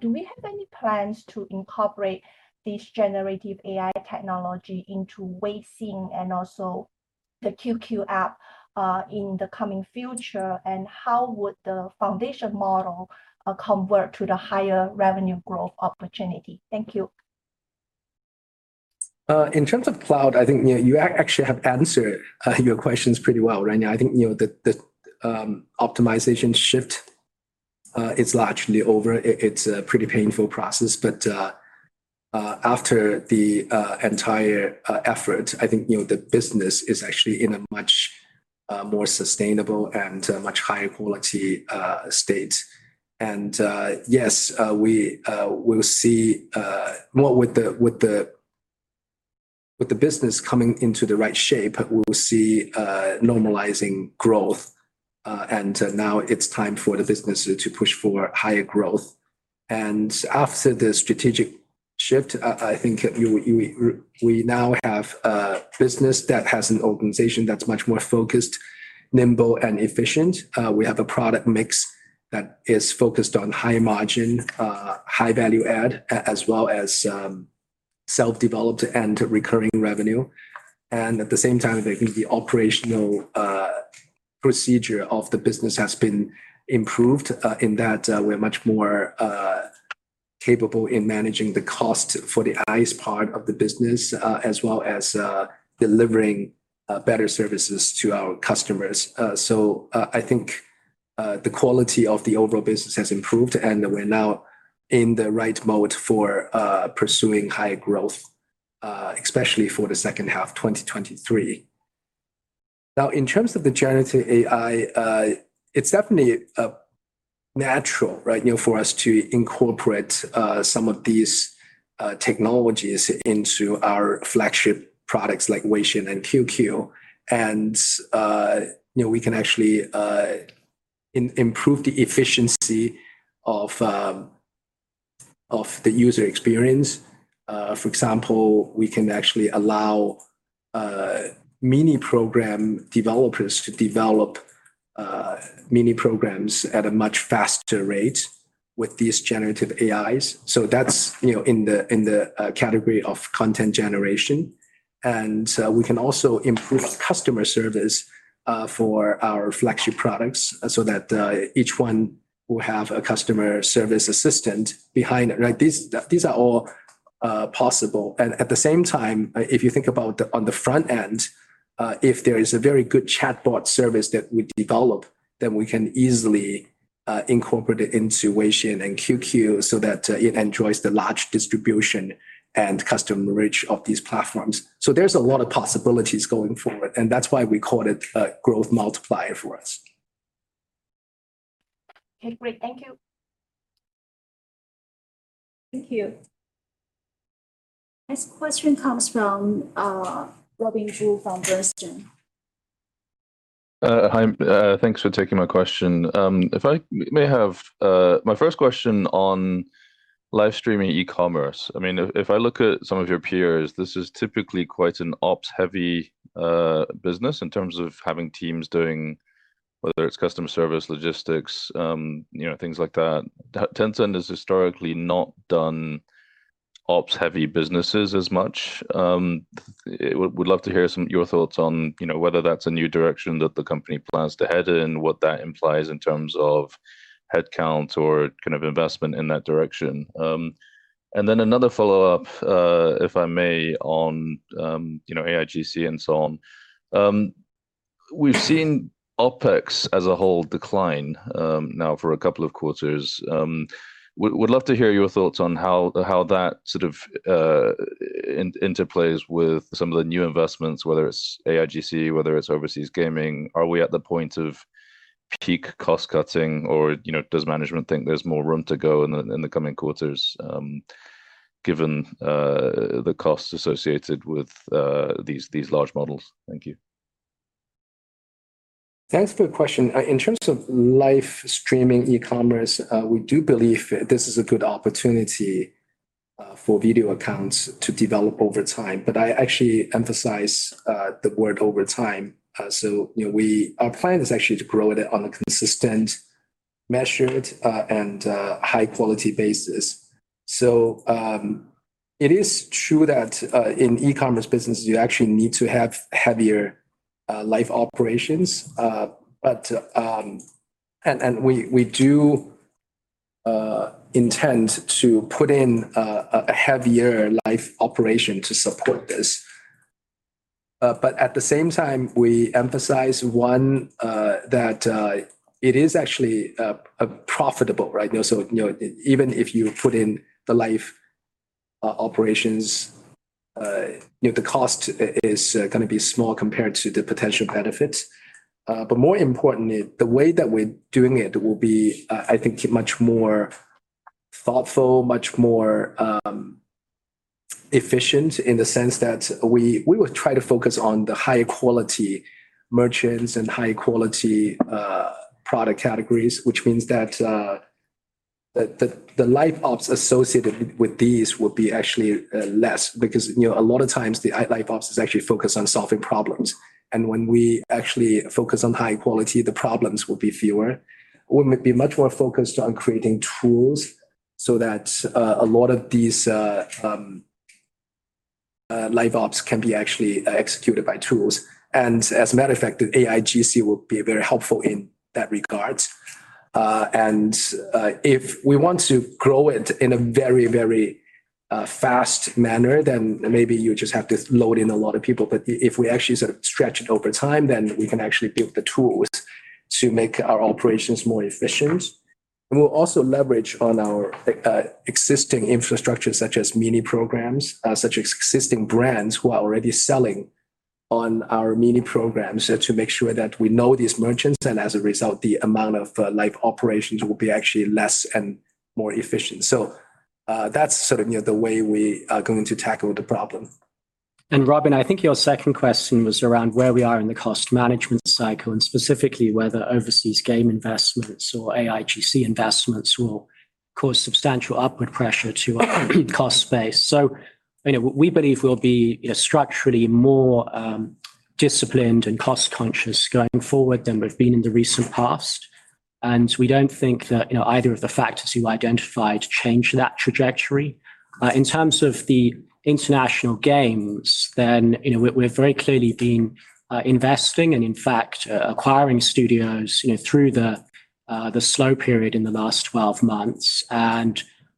Do we have any plans to incorporate this generative AI technology into Weixin and also the QQ app in the coming future? How would the foundation model convert to the higher revenue growth opportunity? Thank you. In terms of cloud, I think, you know, you actually have answered your questions pretty well right now. I think, you know, the optimization shift. It's largely over. It's a pretty painful process, but after the entire effort, I think, you know, the business is actually in a much more sustainable and a much higher quality state. Yes, we will see. Well, with the business coming into the right shape, we will see normalizing growth, and now it's time for the business to push for higher growth. After the strategic shift, I think you, we now have a business that has an organization that's much more focused, nimble, and efficient. We have a product mix that is focused on high margin, high value add, as well as self-developed and recurring revenue. At the same time, I think the operational procedure of the business has been improved, in that we're much more capable in managing the cost for the highest part of the business, as well as delivering better services to our customers. I think the quality of the overall business has improved, and we're now in the right mode for pursuing higher growth, especially for the second half 2023. In terms of the generative AI, it's definitely natural, right, you know, for us to incorporate some of these technologies into our flagship products like Weixin and QQ and, you know, we can actually improve the efficiency of the user experience. For example, we can actually allow Mini Program developers to develop Mini Programs at a much faster rate with these generative AIs. That's, you know, in the category of content generation. We can also improve customer service for our flagship products so that each one will have a customer service assistant behind it, right? These are all possible. At the same time, if you think about on the front end, if there is a very good chatbot service that we develop, then we can easily incorporate it into Weixin and QQ so that, it enjoys the large distribution and customer reach of these platforms. There's a lot of possibilities going forward, and that's why we call it a growth multiplier for us. Okay, great. Thank you. Thank you. Next question comes from Robin Zhu from Bernstein. Hi. Thanks for taking my question. If I may have my first question on live streaming e-commerce. I mean, if I look at some of your peers, this is typically quite an ops-heavy business in terms of having teams doing, whether it's customer service, logistics, you know, things like that. Tencent has historically not done ops-heavy businesses as much. Would love to hear your thoughts on, you know, whether that's a new direction that the company plans to head in, what that implies in terms of headcount or kind of investment in that direction. Then another follow-up, if I may, on, you know, AIGC and so on. We've seen OpEx as a whole decline now for a couple of quarters. Would love to hear your thoughts on how that sort of interplays with some of the new investments, whether it's AIGC, whether it's overseas gaming. Are we at the point of peak cost-cutting or, you know, does management think there's more room to go in the coming quarters, given the costs associated with these large models? Thank you. Thanks for the question. In terms of live streaming e-commerce, we do believe this is a good opportunity for Video Accounts to develop over time. I actually emphasize the word over time. You know, Our plan is actually to grow it on a consistent measured, and high quality basis. It is true that in e-commerce business, you actually need to have heavier live operations. And we do intend to put in a heavier live operation to support this. At the same time, we emphasize, one, that it is actually profitable, right? You know, so, you know, even if you put in the live operations, you know, the cost is gonna be small compared to the potential benefits. More importantly, the way that we're doing it will be, I think, much more thoughtful, much more efficient in the sense that we will try to focus on the high quality merchants and high quality product categories, which means that the live ops associated with these will be actually less because, you know, a lot of times the live ops is actually focused on solving problems. When we actually focus on high quality, the problems will be fewer. We'll be much more focused on creating tools so that a lot of these live ops can be actually executed by tools. As a matter of fact, the AIGC will be very helpful in that regard. If we want to grow it in a very fast manner, then maybe you just have to load in a lot of people. If we actually sort of stretch it over time, then we can actually build the tools to make our operations more efficient. We'll also leverage on our existing infrastructure, such as Mini Programs, such existing brands who are already selling on our Mini Programs, to make sure that we know these merchants, and as a result, the amount of live operations will be actually less and more efficient. That's sort of, you know, the way we are going to tackle the problem. Robin, I think your second question was around where we are in the cost management cycle and specifically whether overseas game investments or AIGC investments will cause substantial upward pressure to our cost base. You know, we believe we'll be, you know, structurally more disciplined and cost-conscious going forward than we've been in the recent past, and we don't think that, you know, either of the factors you identified change that trajectory. In terms of the international games, then, you know, we've very clearly been investing and in fact, acquiring studios, you know, through the slow period in the last 12 months.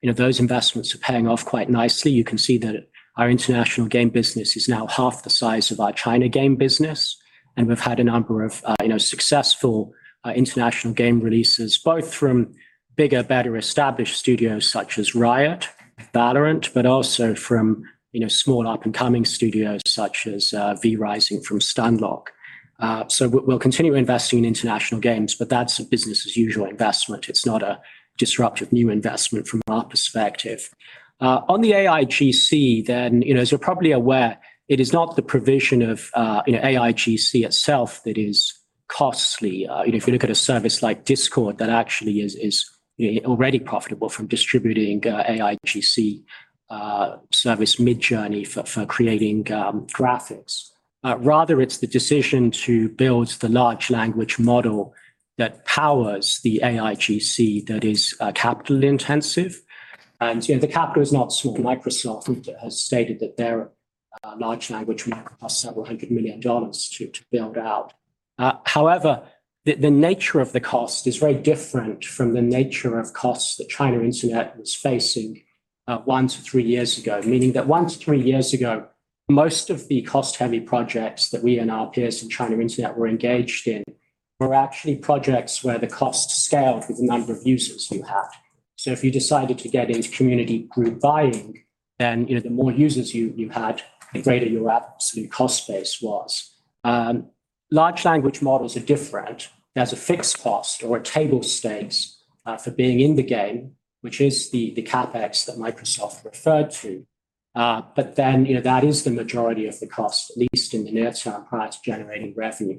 You know, those investments are paying off quite nicely. You can see that our international game business is now half the size of our China game business. We've had a number of, you know, successful international game releases, both from bigger, better established studios such as Riot, VALORANT, but also from, you know, small up-and-coming studios such as V Rising from Stunlock. We'll, we'll continue investing in international games, but that's a business as usual investment. It's not a disruptive new investment from our perspective. On the AIGC, you know, as you're probably aware, it is not the provision of, you know, AIGC itself that is costly. You know, if you look at a service like Discord, that actually is, you know, already profitable from distributing AIGC service Midjourney for creating, graphics. Rather it's the decision to build the large language model that powers the AIGC that is capital intensive. You know, the capital is not small. Microsoft has stated that their large language model costs several hundred million dollars to build out. However, the nature of the cost is very different from the nature of costs that China Internet was facing one to three years ago, meaning that one to three years ago, most of the cost-heavy projects that we and our peers in China Internet were engaged in were actually projects where the cost scaled with the number of users you had. If you decided to get into community group buying, then, you know, the more users you had, the greater your absolute cost base was. Large language models are different. There's a fixed cost or a table stakes for being in the game, which is the CapEx that Microsoft referred to. You know, that is the majority of the cost, at least in the near term, prior to generating revenue.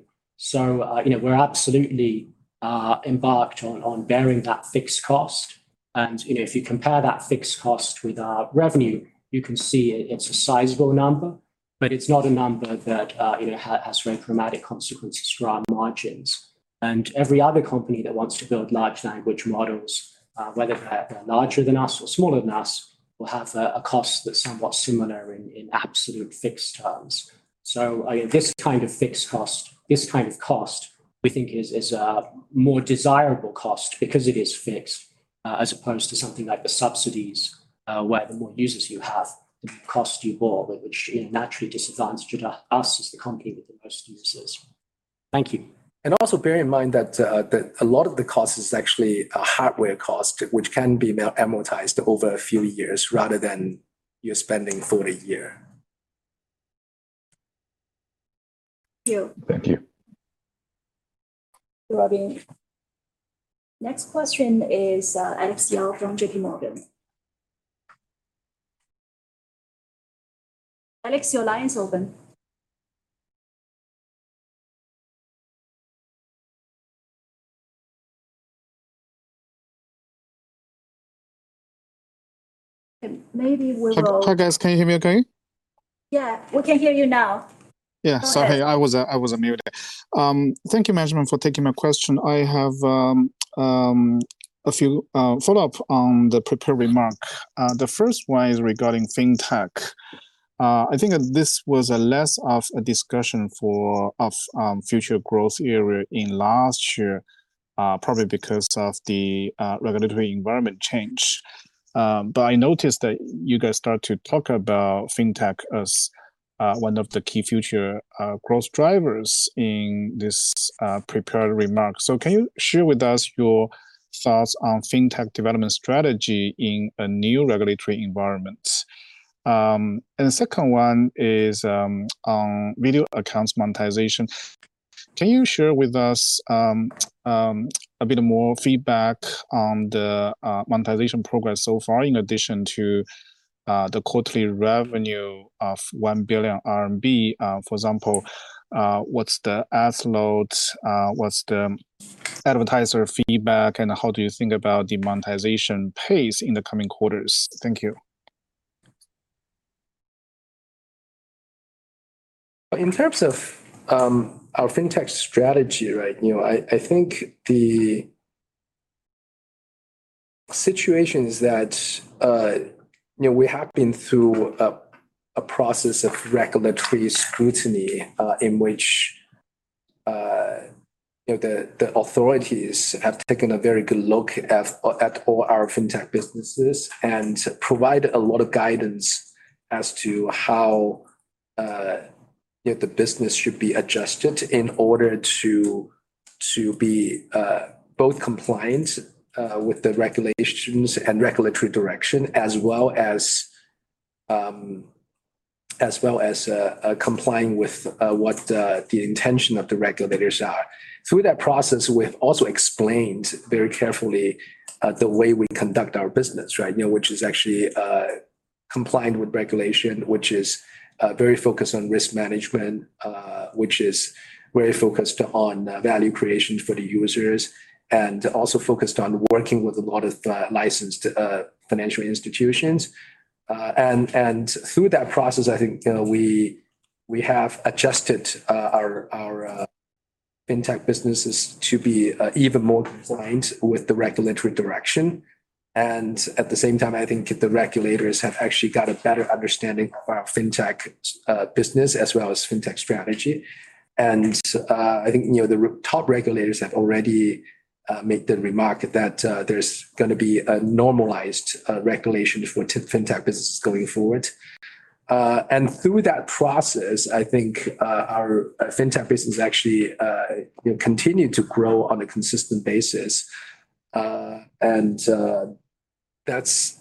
You know, we're absolutely embarked on bearing that fixed cost. You know, if you compare that fixed cost with our revenue, you can see it's a sizable number, but it's not a number that, you know, has very dramatic consequences for our margins. Every other company that wants to build large language models, whether they're larger than us or smaller than us, will have a cost that's somewhat similar in absolute fixed terms. This kind of fixed cost, this kind of cost, we think is a more desirable cost because it is fixed, as opposed to something like the subsidies, where the more users you have, the more cost you bore, which, you know, naturally disadvantages us as the company with the most users. Thank you. Bear in mind that a lot of the cost is actually a hardware cost, which can be now amortized over a few years rather than you spending for a year. Thank you. Thank you. Robin. Next question is Alex Yao from JPMorgan. Alex, your line is open. Hi, guys. Can you hear me okay? Yeah, we can hear you now. Go ahead. Yeah. Sorry, I was on mute. Thank you, management, for taking my question. I have a few follow-up on the prepared remark. The first one is regarding FinTech. I think that this was a less of a discussion for future growth area in last year, probably because of the regulatory environment change. I noticed that you guys start to talk about FinTech as one of the key future growth drivers in this prepared remarks. Can you share with us your thoughts on FinTech development strategy in a new regulatory environment? The second one is on Video Accounts monetization. Can you share with us a bit more feedback on the monetization progress so far in addition to the quarterly revenue of 1 billion RMB? For example, what's the ad load? What's the advertiser feedback, and how do you think about the monetization pace in the coming quarters? Thank you. In terms of our FinTech strategy, right? You know, I think the situations that, you know, we have been through a process of regulatory scrutiny, in which, You know, the authorities have taken a very good look at all our FinTech businesses and provided a lot of guidance as to how, you know, the business should be adjusted in order to be both compliant with the regulations and regulatory direction as well as complying with what the intention of the regulators are. Through that process, we have also explained very carefully the way we conduct our business, right? You know, which is actually compliant with regulation, which is very focused on risk management, which is very focused on value creation for the users, and also focused on working with a lot of licensed financial institutions. Through that process, I think, you know, we have adjusted our FinTech businesses to be even more compliant with the regulatory direction. At the same time, I think the regulators have actually got a better understanding of our FinTech business as well as FinTech strategy. I think, you know, the top regulators have already made the remark that there's gonna be a normalized regulation for FinTech businesses going forward. Through that process, I think our FinTech business actually, you know, continued to grow on a consistent basis. That's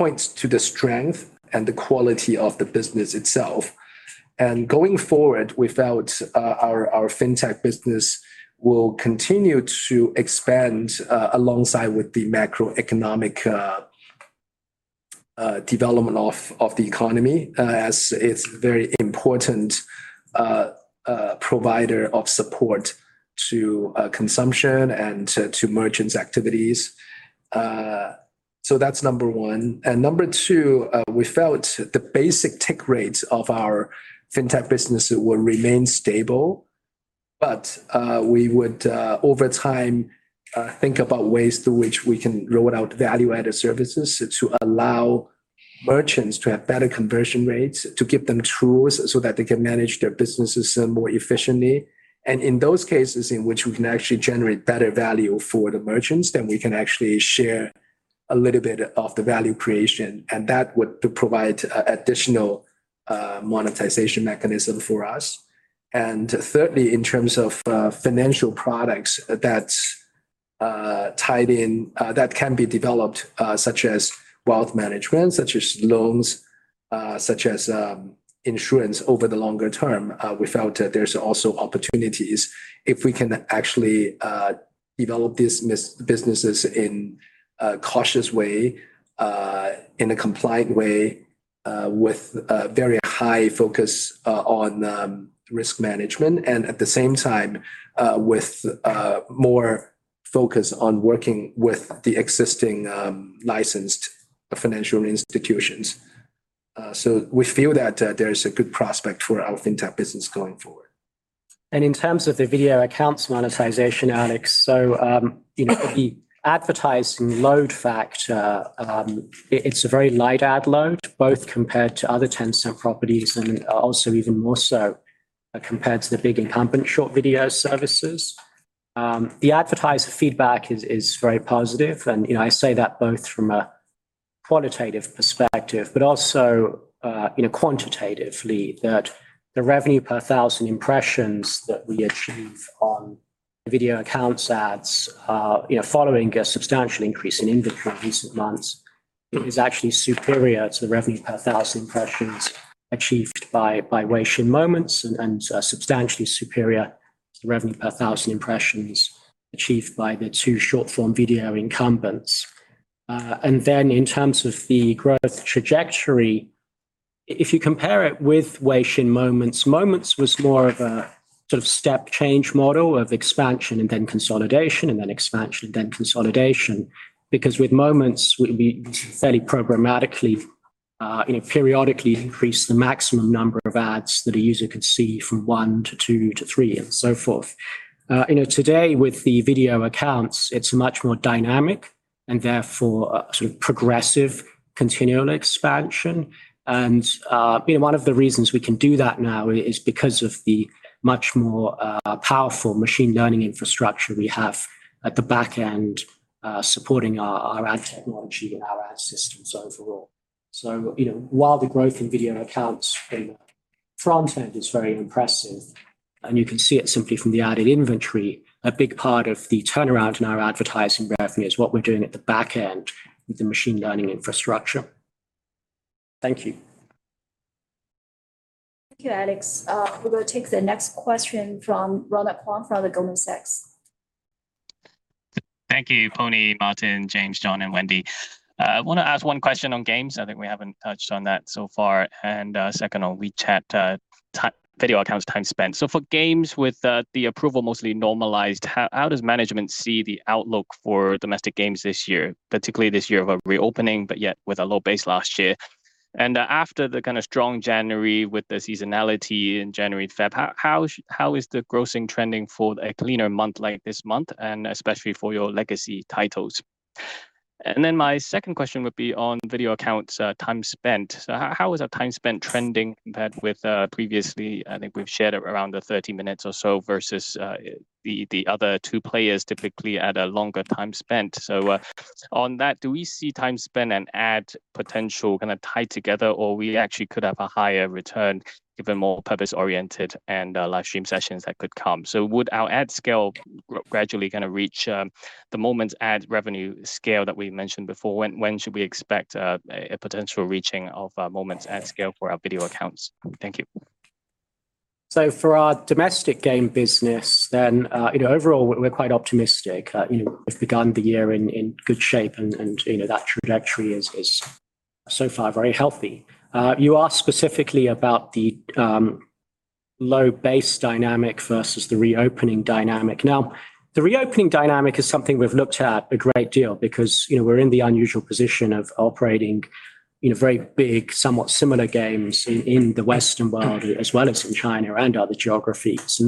points to the strength and the quality of the business itself. Going forward, we felt our FinTech business will continue to expand alongside with the macroeconomic development of the economy, as it's very important provider of support to consumption and to merchants' activities. That's number one. Number two, we felt the basic tech rates of our FinTech business will remain stable, but we would over time think about ways through which we can roll out value-added services to allow merchants to have better conversion rates, to give them tools so that they can manage their businesses more efficiently. In those cases in which we can actually generate better value for the merchants, then we can actually share a little bit of the value creation, and that would provide additional monetization mechanism for us. Thirdly, in terms of financial products that tied in that can be developed, such as wealth management, such as loans, such as insurance over the longer term, we felt that there's also opportunities if we can actually develop these businesses in a cautious way, in a compliant way, with a very high focus on risk management and at the same time, with more focus on working with the existing licensed financial institutions. We feel that there is a good prospect for our FinTech business going forward. In terms of the Video Accounts monetization, Alex, you know, the advertising load factor, it's a very light ad load, both compared to other Tencent properties and also even more so, compared to the big incumbent short video services. The advertiser feedback is very positive. You know, I say that both from a quantitative perspective, but also, you know, quantitatively, that the revenue per thousand impressions that we achieve on Video Accounts ads, you know, following a substantial increase in inventory in recent months, is actually superior to the revenue per thousand impressions achieved by Weixin Moments and substantially superior to the revenue per thousand impressions achieved by the 2 short-form video incumbents. In terms of the growth trajectory, if you compare it with Weixin Moments was more of a sort of step change model of expansion and then consolidation, and then expansion, then consolidation. With Moments, we'd be fairly programmatically, you know, periodically increase the maximum number of ads that a user could see from one to two to three and so forth. You know, today with the Video Accounts, it's much more dynamic and therefore a sort of progressive continual expansion. One of the reasons we can do that now is because of the much more powerful machine learning infrastructure we have at the back end, supporting our ad technology and our ad systems overall. You know, while the growth in Video Accounts from front end is very impressive, and you can see it simply from the added inventory, a big part of the turnaround in our advertising revenue is what we're doing at the back end with the machine learning infrastructure. Thank you. Thank you, Alex. We will take the next question from Ronald Keung from the Goldman Sachs. Thank you, Pony, Martin, James, John, and Wendy. I wanna ask one question on games. I think we haven't touched on that so far. Second on WeChat, Video Accounts time spent. For games with the approval mostly normalized, how does management see the outlook for domestic games this year, particularly this year of a reopening, but yet with a low base last year? After the kind of strong January with the seasonality in January and Feb, how is the grossing trending for a cleaner month like this month, and especially for your legacy titles? Then my second question would be on Video Accounts, time spent. How, how is our time spent trending compared with previously? I think we've shared around the 30 minutes or so versus the other two players typically at a longer time spent. On that, do we see time spent and ad potential kinda tied together or we actually could have a higher return if they're more purpose-oriented and live stream sessions that could come? Would our ad scale gradually gonna reach the moment ad revenue scale that we mentioned before? When should we expect a potential reaching of moment ad scale for our Video Accounts? Thank you. For our domestic game business then, you know, overall we're quite optimistic. You know, we've begun the year in good shape and, you know, that trajectory is so far very healthy. You asked specifically about the low base dynamic versus the reopening dynamic. The reopening dynamic is something we've looked at a great deal because, you know, we're in the unusual position of operating in very big, somewhat similar games in the Western world as well as in China and other geographies.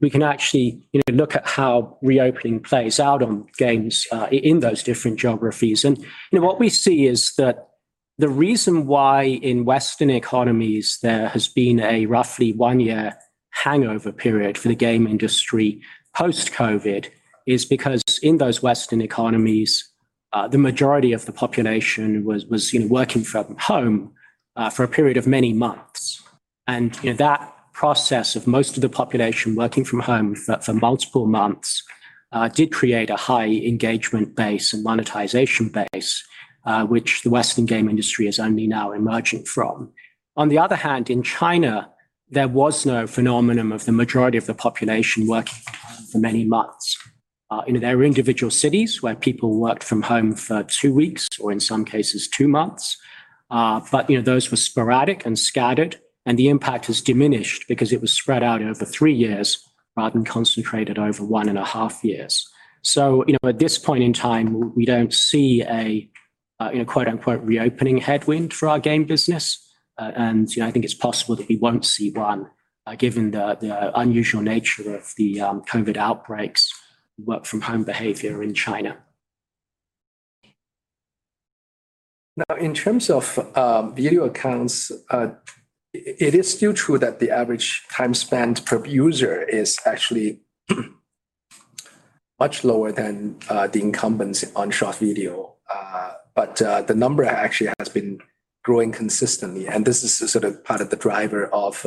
We can actually, you know, look at how reopening plays out on games in those different geographies. You know, what we see is that the reason why in Western economies there has been a roughly one-year hangover period for the game industry post-COVID is because in those Western economies, the majority of the population was, you know, working from home for a period of many months. You know, that process of most of the population working from home for multiple months did create a high engagement base and monetization base, which the Western game industry is only now emerging from. On the other hand, in China, there was no phenomenon of the majority of the population working from home for many months. You know, there were individual cities where people worked from home for two weeks or in some cases two months. You know, those were sporadic and scattered, and the impact has diminished because it was spread out over three years rather than concentrated over one and a half years. You know, at this point in time, we don't see a, you know, quote-unquote, "reopening headwind" for our game business. You know, I think it's possible that we won't see one, given the unusual nature of the COVID outbreaks work from home behavior in China. Now, in terms of Video Accounts, it is still true that the average time spent per user is actually much lower than the incumbents on short video. The number actually has been growing consistently, and this is sort of part of the driver of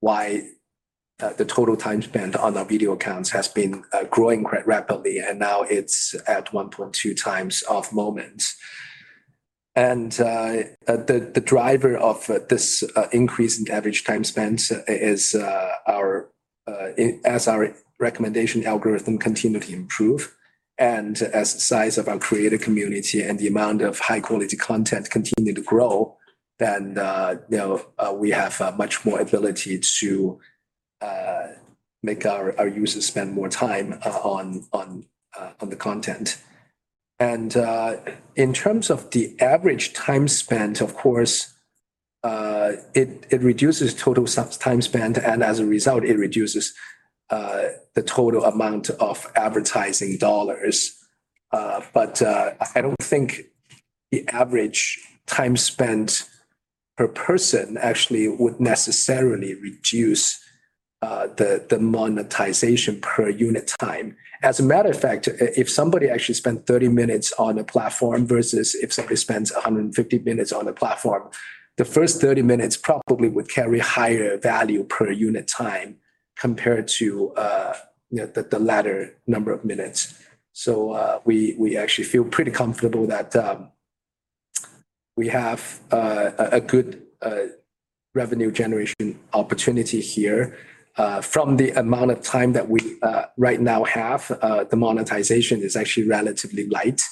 why the total time spent on our Video Accounts has been growing quite rapidly, and now it's at 1.2x of Moments. The driver of this increase in average time spent is our as our recommendation algorithm continue to improve and as the size of our creative community and the amount of high quality content continue to grow, then, you know, we have much more ability to make our users spend more time on the content. In terms of the average time spent, of course, it reduces total time spent, and as a result, it reduces the total amount of advertising dollars. I don't think the average time spent per person actually would necessarily reduce the monetization per unit time. As a matter of fact, if somebody actually spent 30 minutes on a platform versus if somebody spends 150 minutes on a platform, the first 30 minutes probably would carry higher value per unit time compared to, you know, the latter number of minutes. We actually feel pretty comfortable that we have a good revenue generation opportunity here. From the amount of time that we right now have, the monetization is actually relatively light.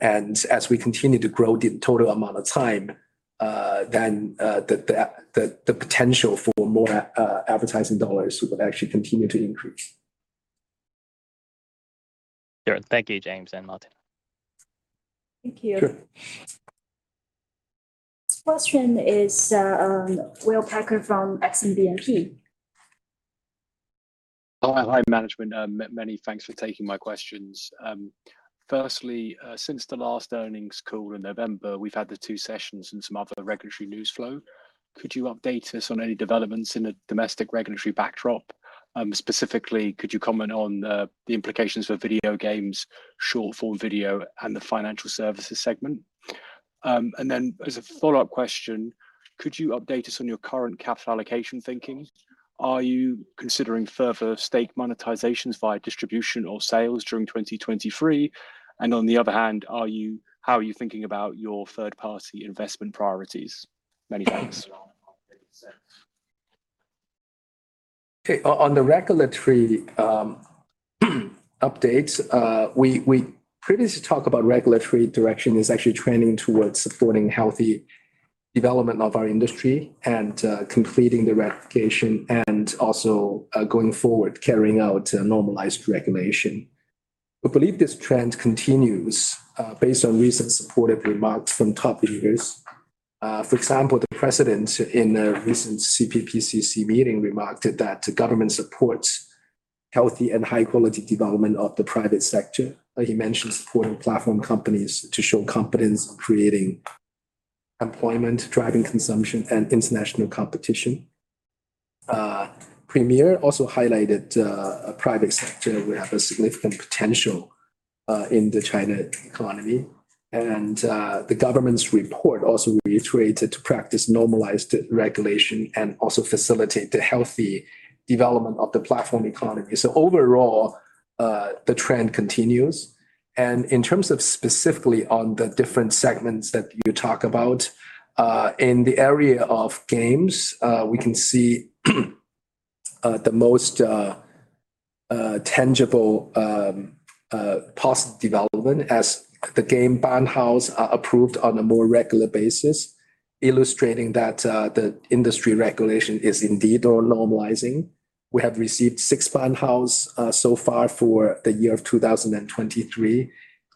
As we continue to grow the total amount of time, then, the potential for more advertising dollars would actually continue to increase. Sure. Thank you, James and Martin. Thank you. Sure. This question is, Will Packer from Exane BNP. Hi, management. Many thanks for taking my questions. Firstly, since the last earnings call in November, we've had the two sessions and some other regulatory news flow. Could you update us on any developments in the domestic regulatory backdrop? Specifically, could you comment on the implications for video games, short-form video, and the financial services segment? As a follow-up question, could you update us on your current capital allocation thinking? Are you considering further stake monetizations via distribution or sales during 2023? On the other hand, How are you thinking about your third-party investment priorities? Many thanks. Okay. On the regulatory updates, we previously talk about regulatory direction is actually trending towards supporting healthy development of our industry and completing the ratification and also going forward, carrying out a normalized regulation. We believe this trend continues based on recent supportive remarks from top leaders. For example, the president in a recent CPPCC meeting remarked that the government supports healthy and high quality development of the private sector. He mentioned supporting platform companies to show confidence, creating employment, driving consumption, and international competition. Premier also highlighted private sector will have a significant potential in the China economy. The government's report also reiterated to practice normalized regulation and also facilitate the healthy development of the platform economy. Overall, the trend continues. In terms of specifically on the different segments that you talk about, in the area of games, we can see the most tangible positive development as the game Banhaos are approved on a more regular basis, illustrating that the industry regulation is indeed normalizing. We have received six Banhaos so far for the year of 2023,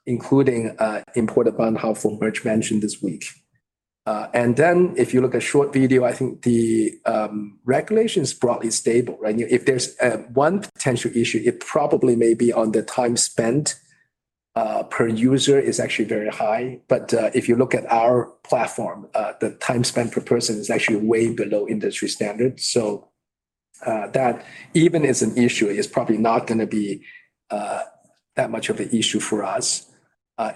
including import BanHaos for Merge Mansion this week. If you look at short video, I think the regulation is broadly stable, right? You know, if there's one potential issue, it probably may be on the time spent per user is actually very high. If you look at our platform, the time spent per person is actually way below industry standard. That even as an issue is probably not gonna be that much of an issue for us.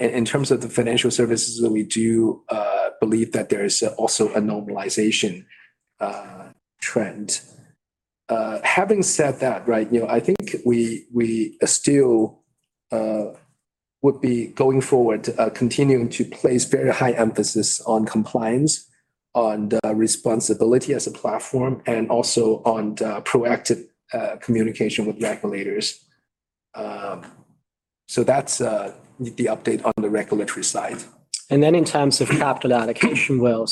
In terms of the financial services, we do believe that there is also a normalization trend. Having said that, right, you know, I think we still would be going forward, continuing to place very high emphasis on compliance, on the responsibility as a platform, and also on the proactive communication with regulators. That's the update on the regulatory side. In terms of capital allocation, Will,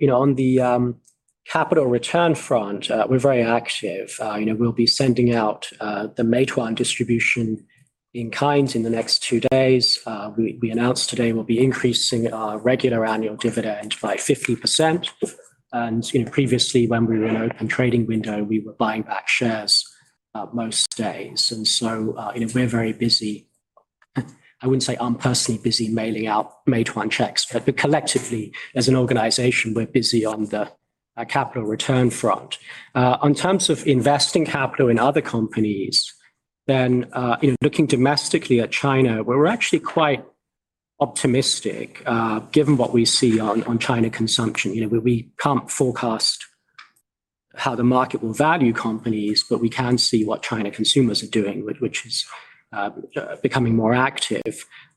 you know, on the capital return front, we're very active. You know, we'll be sending out the Meituan distribution in kinds in the next two days. We announced today we'll be increasing our regular annual dividend by 50%. You know, previously when we were in an open trading window, we were buying back shares most days. You know, we're very busy. I wouldn't say I'm personally busy mailing out Meituan checks, but collectively as an organization, we're busy on the capital return front. On terms of investing capital in other companies, you know, looking domestically at China, we're actually quite optimistic given what we see on China consumption. You know, we can't forecast how the market will value companies, but we can see what China consumers are doing, which is becoming more active.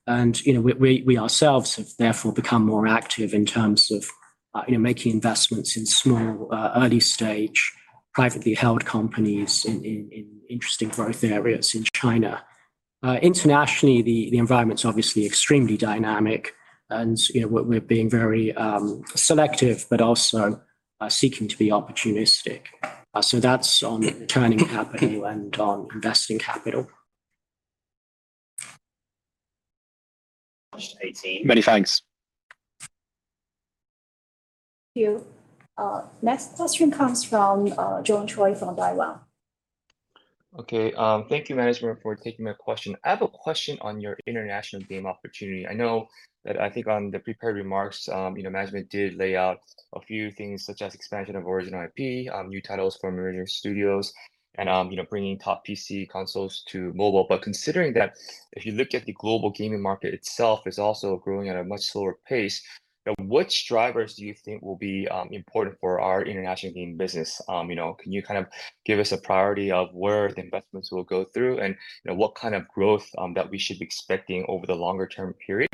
You know, we ourselves have therefore become more active in terms of, you know, making investments in small, early stage, privately held companies in interesting growth areas in China. Internationally, the environment's obviously extremely dynamic and, you know, we're being very selective, but also seeking to be opportunistic. That's on returning capital and on investing capital. Eighteen. Many thanks. Thank you. next question comes from John Choi from Daiwa. Thank you management for taking my question. I have a question on your international game opportunity. I know that I think on the prepared remarks, you know, management did lay out a few things such as expansion of origin IP, new titles for emerging studios and, you know, bringing top PC consoles to mobile. Considering that if you look at the global gaming market itself, it's also growing at a much slower pace, which drivers do you think will be important for our international game business? You know, can you kind of give us a priority of where the investments will go through and, you know, what kind of growth that we should be expecting over the longer term period?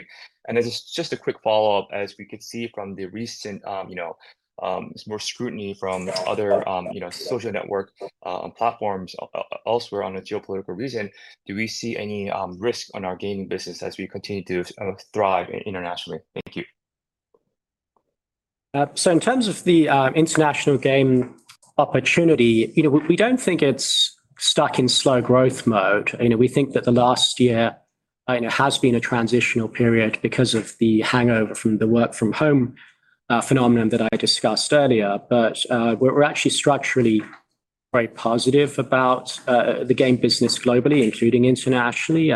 As just a quick follow-up, as we could see from the recent, you know, more scrutiny from other, you know, social network platforms elsewhere on a geopolitical region, do we see any risk on our gaming business as we continue to thrive internationally? Thank you. In terms of the international game opportunity, you know, we don't think it's stuck in slow growth mode. We think that the last year, you know, has been a transitional period because of the hangover from the work from home phenomenon that I discussed earlier. We're actually structurally very positive about the game business globally, including internationally.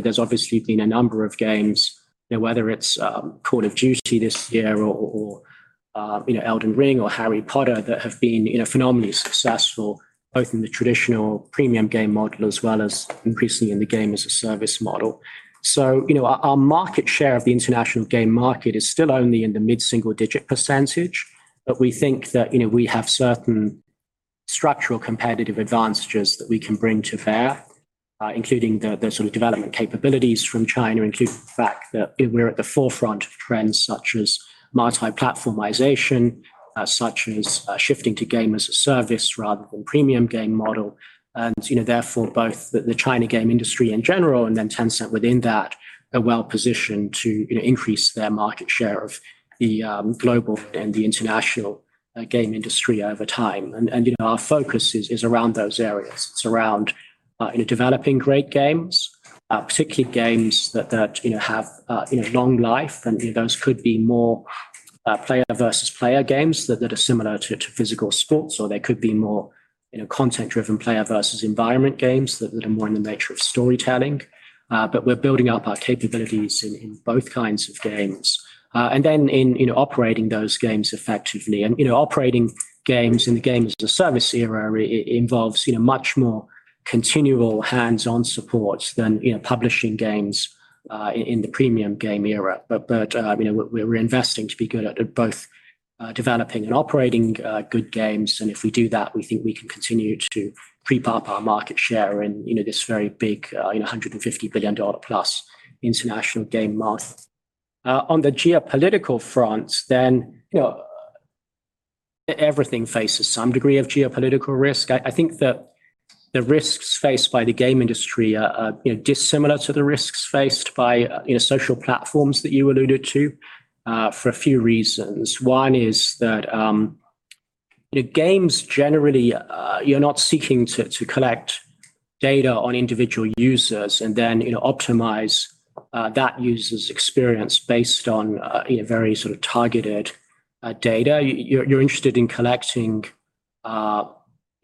There's obviously been a number of games, you know, whether it's Call of Duty this year or, you know, Elden Ring or Harry Potter that have been, you know, phenomenally successful, both in the traditional premium game model as well as increasingly in the games as a service model. Our market share of the international game market is still only in the mid-single digit percentage. We think that, you know, we have certain structural competitive advantages that we can bring to bear, including the sort of development capabilities from China, including the fact that we're at the forefront of trends such as multi-platformization, such as shifting to games as a service rather than premium game model. You know, therefore, both the China game industry in general and then Tencent within that are well-positioned to, you know, increase their market share of the global and the international game industry over time. You know, our focus is around those areas. It's around, you know, developing great games, particularly games that, you know, have, you know, long life and, you know, those could be more. Player versus player games that are similar to physical sports, or they could be more, you know, content-driven player versus environment games that are more in the nature of storytelling. We're building up our capabilities in both kinds of games. In, you know, operating those games effectively. You know, operating games in the games as a service era involves, you know, much more continual hands-on support than, you know, publishing games in the premium game era. You know, we're investing to be good at both developing and operating good games. If we do that, we think we can continue to creep up our market share in, you know, this very big, you know, $150+ billion international game market. On the geopolitical front, you know, everything faces some degree of geopolitical risk. I think the risks faced by the game industry are, you know, dissimilar to the risks faced by, you know, social platforms that you alluded to, for a few reasons. One is that, you know, games generally, you're not seeking to collect data on individual users and then, you know, optimize, that user's experience based on, you know, very sort of targeted, data. You're interested in collecting, you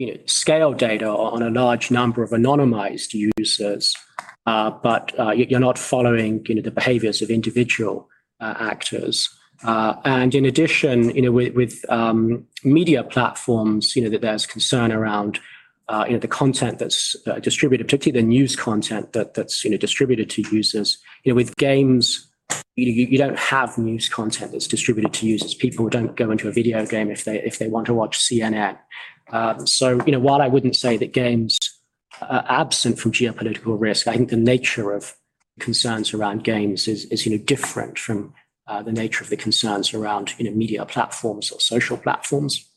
know, scale data on a large number of anonymized users, you're not following, you know, the behaviors of individual, actors. In addition, you know, with media platforms, you know, that there's concern around, you know, the content that's distributed, particularly the news content that's, you know, distributed to users. You know, with games, you don't have news content that's distributed to users. People don't go into a video game if they want to watch CNN. You know, while I wouldn't say that games are absent from geopolitical risk, I think the nature of concerns around games is, you know, different from the nature of the concerns around, you know, media platforms or social platforms.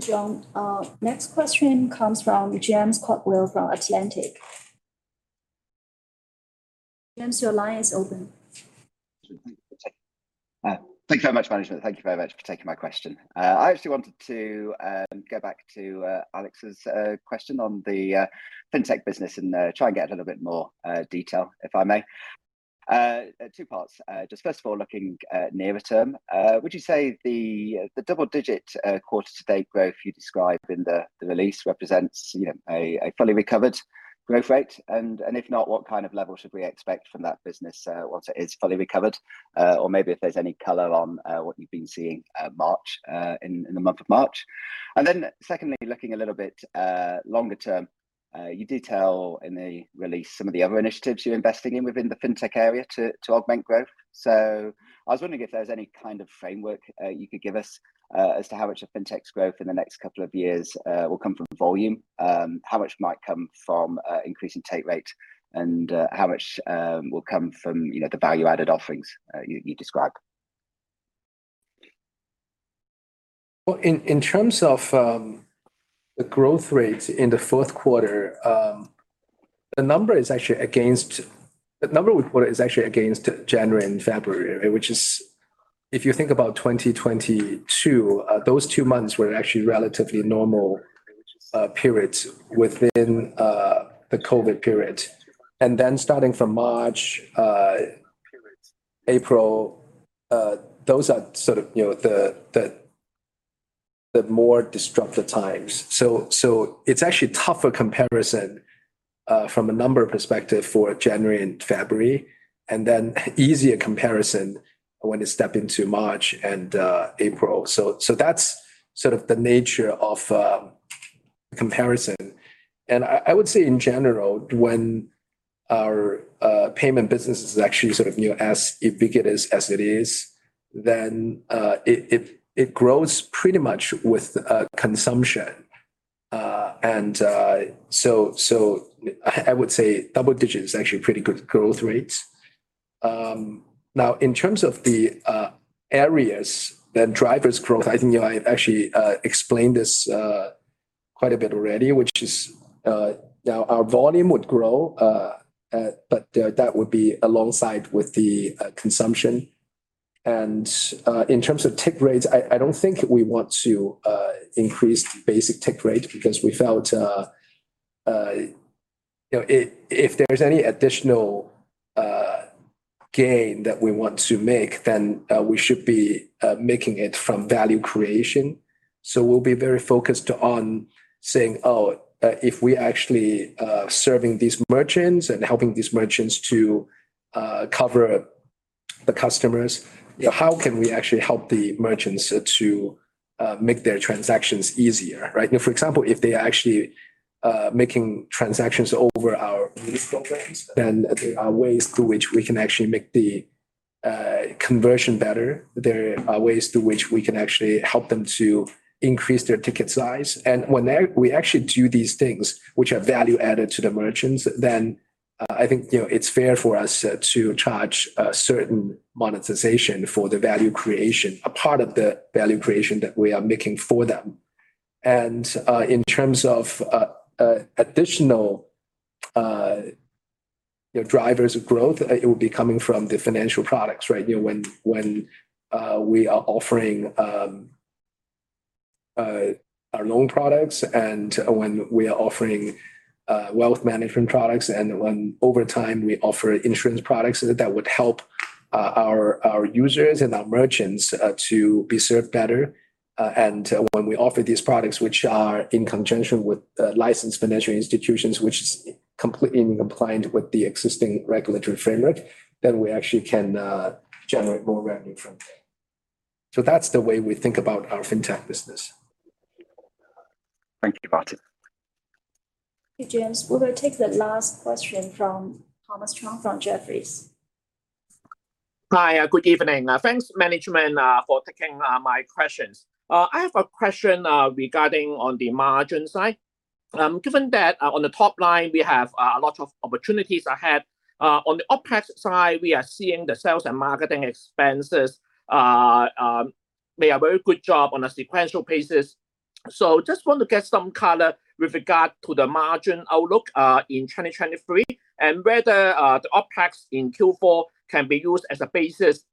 John, next question comes from James Cordwell from Atlantic. James, your line is open. Thank you very much, management. Thank you very much for taking my question. I actually wanted to go back to Alex's question on the FintTech business and try and get a little bit more detail, if I may. Two parts. Just first of all, looking nearer term, would you say the double-digit quarter-to-date growth you described in the release represents, you know, a fully recovered growth rate? If not, what kind of level should we expect from that business once it is fully recovered? Maybe if there's any color on what you've been seeing March in the month of March. Secondly, looking a little bit longer term, you did tell in the release some of the other initiatives you're investing in within the FinTech area to augment growth. I was wondering if there's any kind of framework you could give us as to how much of FinTech's growth in the next couple of years will come from volume, how much might come from increasing take rate, and how much will come from, you know, the value-added offerings you describe? Well, in terms of the growth rate in the fourth quarter, the number is actually against. The number we reported is actually against January and February, right? Which is, if you think about 2022, those two months were actually relatively normal periods within the COVID period. Starting from March, April, those are sort of, you know, the more disrupted times. It's actually tougher comparison from a number perspective for January and February, and then easier comparison when you step into March and April. That's sort of the nature of comparison. I would say in general, when our payment business is actually sort of, you know, as big as it is, then it grows pretty much with consumption. So I would say double-digit is actually pretty good growth rate. Now in terms of the areas that drivers growth, I think, you know, I actually explained this quite a bit already, which is, now our volume would grow, but that would be alongside with the consumption. In terms of take rates, I don't think we want to increase the basic take rate because we felt, you know, if there's any additional gain that we want to make, then, we should be making it from value creation. We'll be very focused on saying, "Oh, if we actually serving these merchants and helping these merchants to cover the customers, you know, how can we actually help the merchants to make their transactions easier," right? You know, for example, if they are actually making transactions over our lease programs, then there are ways through which we can actually make the conversion better. There are ways through which we can actually help them to increase their ticket size. When we actually do these things which are value added to the merchants, then I think, you know, it's fair for us to charge a certain monetization for the value creation, a part of the value creation that we are making for them. In terms of additional, you know, drivers of growth, it would be coming from the financial products, right? Our loan products and when we are offering wealth management products and when over time we offer insurance products that would help our users and our merchants to be served better. When we offer these products, which are in conjunction with licensed financial institutions which is completely in compliant with the existing regulatory framework, then we actually can generate more revenue from them. That's the way we think about our FinTech business. Thank you, Martin. Okay, James. We will take the last question from Thomas Chong from Jefferies. Hi, good evening. Thanks management for taking my questions. I have a question regarding on the margin side. Given that on the top line we have a lot of opportunities ahead on the OpEx side we are seeing the sales and marketing expenses made a very good job on a sequential basis. Just want to get some color with regard to the margin outlook in 2023 and whether the OpEx in Q4 can be used as a basis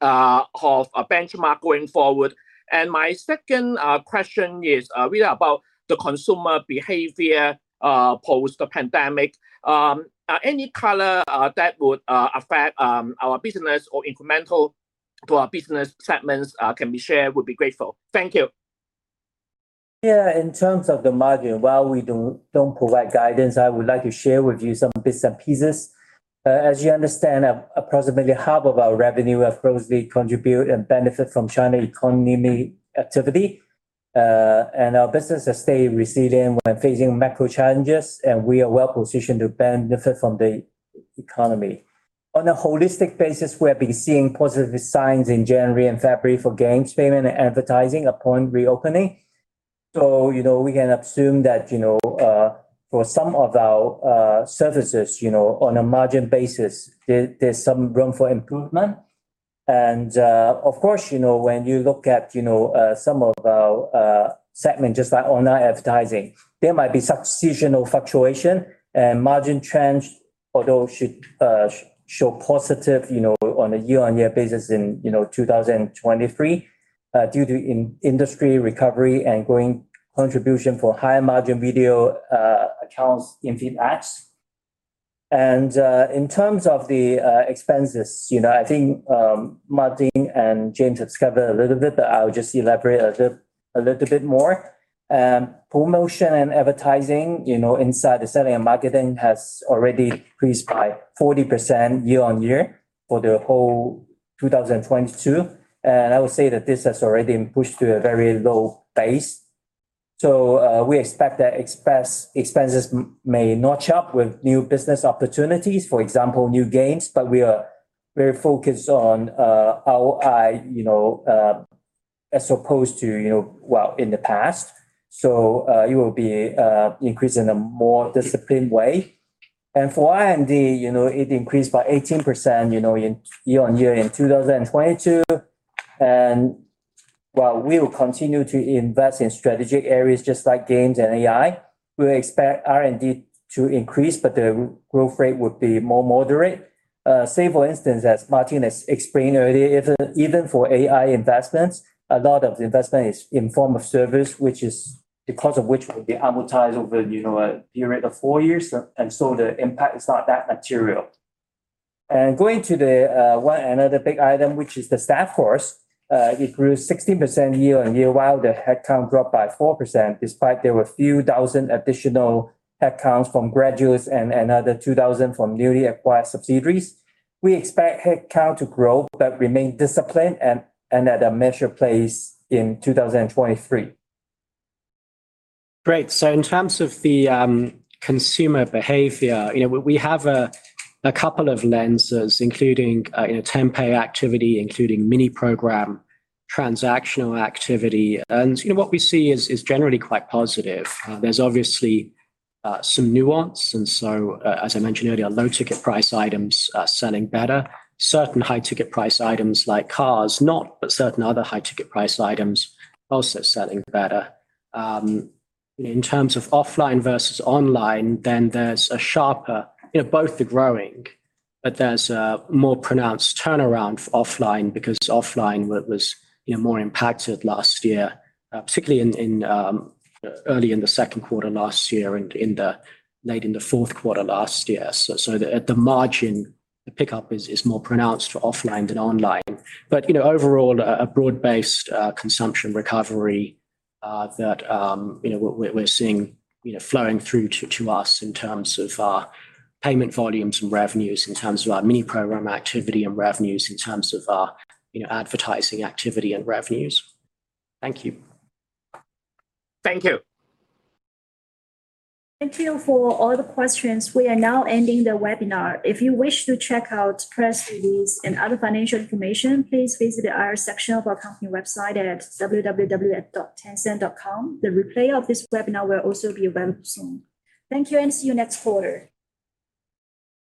of a benchmark going forward. My second question is really about the consumer behavior post the pandemic. Any color that would affect our business or incremental to our business segments can be shared would be grateful. Thank you. Yeah. In terms of the margin, while we don't provide guidance, I would like to share with you some bits and pieces. As you understand, approximately half of our revenue have grossly contribute and benefit from China economy activity. Our business has stayed resilient when facing macro challenges, and we are well positioned to benefit from the economy. On a holistic basis, we have been seeing positive signs in January and February for games payment and advertising upon reopening. You know, we can assume that, you know, for some of our services, you know, on a margin basis, there's some room for improvement. Of course, you know, when you look at, you know, some of our segment just like online advertising, there might be some seasonal fluctuation and margin trend, although should show positive, you know, on a year-on-year basis in, you know, 2023, due to industry recovery and growing contribution for higher margin Video Accounts in-feed ads. In terms of the expenses, you know, I think Martin and James have covered a little bit, but I would just elaborate a little bit more. Promotion and advertising, you know, inside the selling and marketing has already increased by 40% year-on-year for the whole 2022. I would say that this has already been pushed to a very low base. We expect that expenses may notch up with new business opportunities, for example, new games. We are very focused on our eye, you know, well, in the past. It will be increased in a more disciplined way. For R&D, you know, it increased by 18%, you know, year-on-year in 2022. While we will continue to invest in strategic areas just like games and AI, we expect R&D to increase, but the growth rate would be more moderate. Say for instance, as Martin has explained earlier, even for AI investments, a lot of the investment is in form of service, which is the cost of which will be amortized over, you know, a period of four years. The impact is not that material. Going to the one another big item, which is the staff cost. It grew 16% year-on-year, while the headcount dropped by 4% despite there were a few thousand additional headcounts from graduates and another 2,000 from newly acquired subsidiaries. We expect headcount to grow but remain disciplined and at a measured place in 2023. Great. In terms of the consumer behavior, you know, we have a couple of lenses including, you know, Tenpay activity, including Mini Programs transactional activity. You know, what we see is generally quite positive. There's obviously some nuance. As I mentioned earlier, our low ticket price items are selling better. Certain high ticket price items like cars not, but certain other high ticket price items also selling better. In terms of offline versus online, there's a sharper, you know, both are growing, but there's a more pronounced turnaround for offline because offline was, you know, more impacted last year, particularly early in the second quarter last year and late in the fourth quarter last year. At the margin, the pickup is more pronounced for offline than online. You know, overall a broad-based consumption recovery, that, you know, we're seeing, you know, flowing through to us in terms of our payment volumes and revenues, in terms of our Mini Program activity and revenues, in terms of our, you know, advertising activity and revenues. Thank you. Thank you. Thank you for all the questions. We are now ending the webinar. If you wish to check out press release and other financial information, please visit the IR section of our company website at www.tencent.com. The replay of this webinar will also be available soon. Thank you. See you next quarter.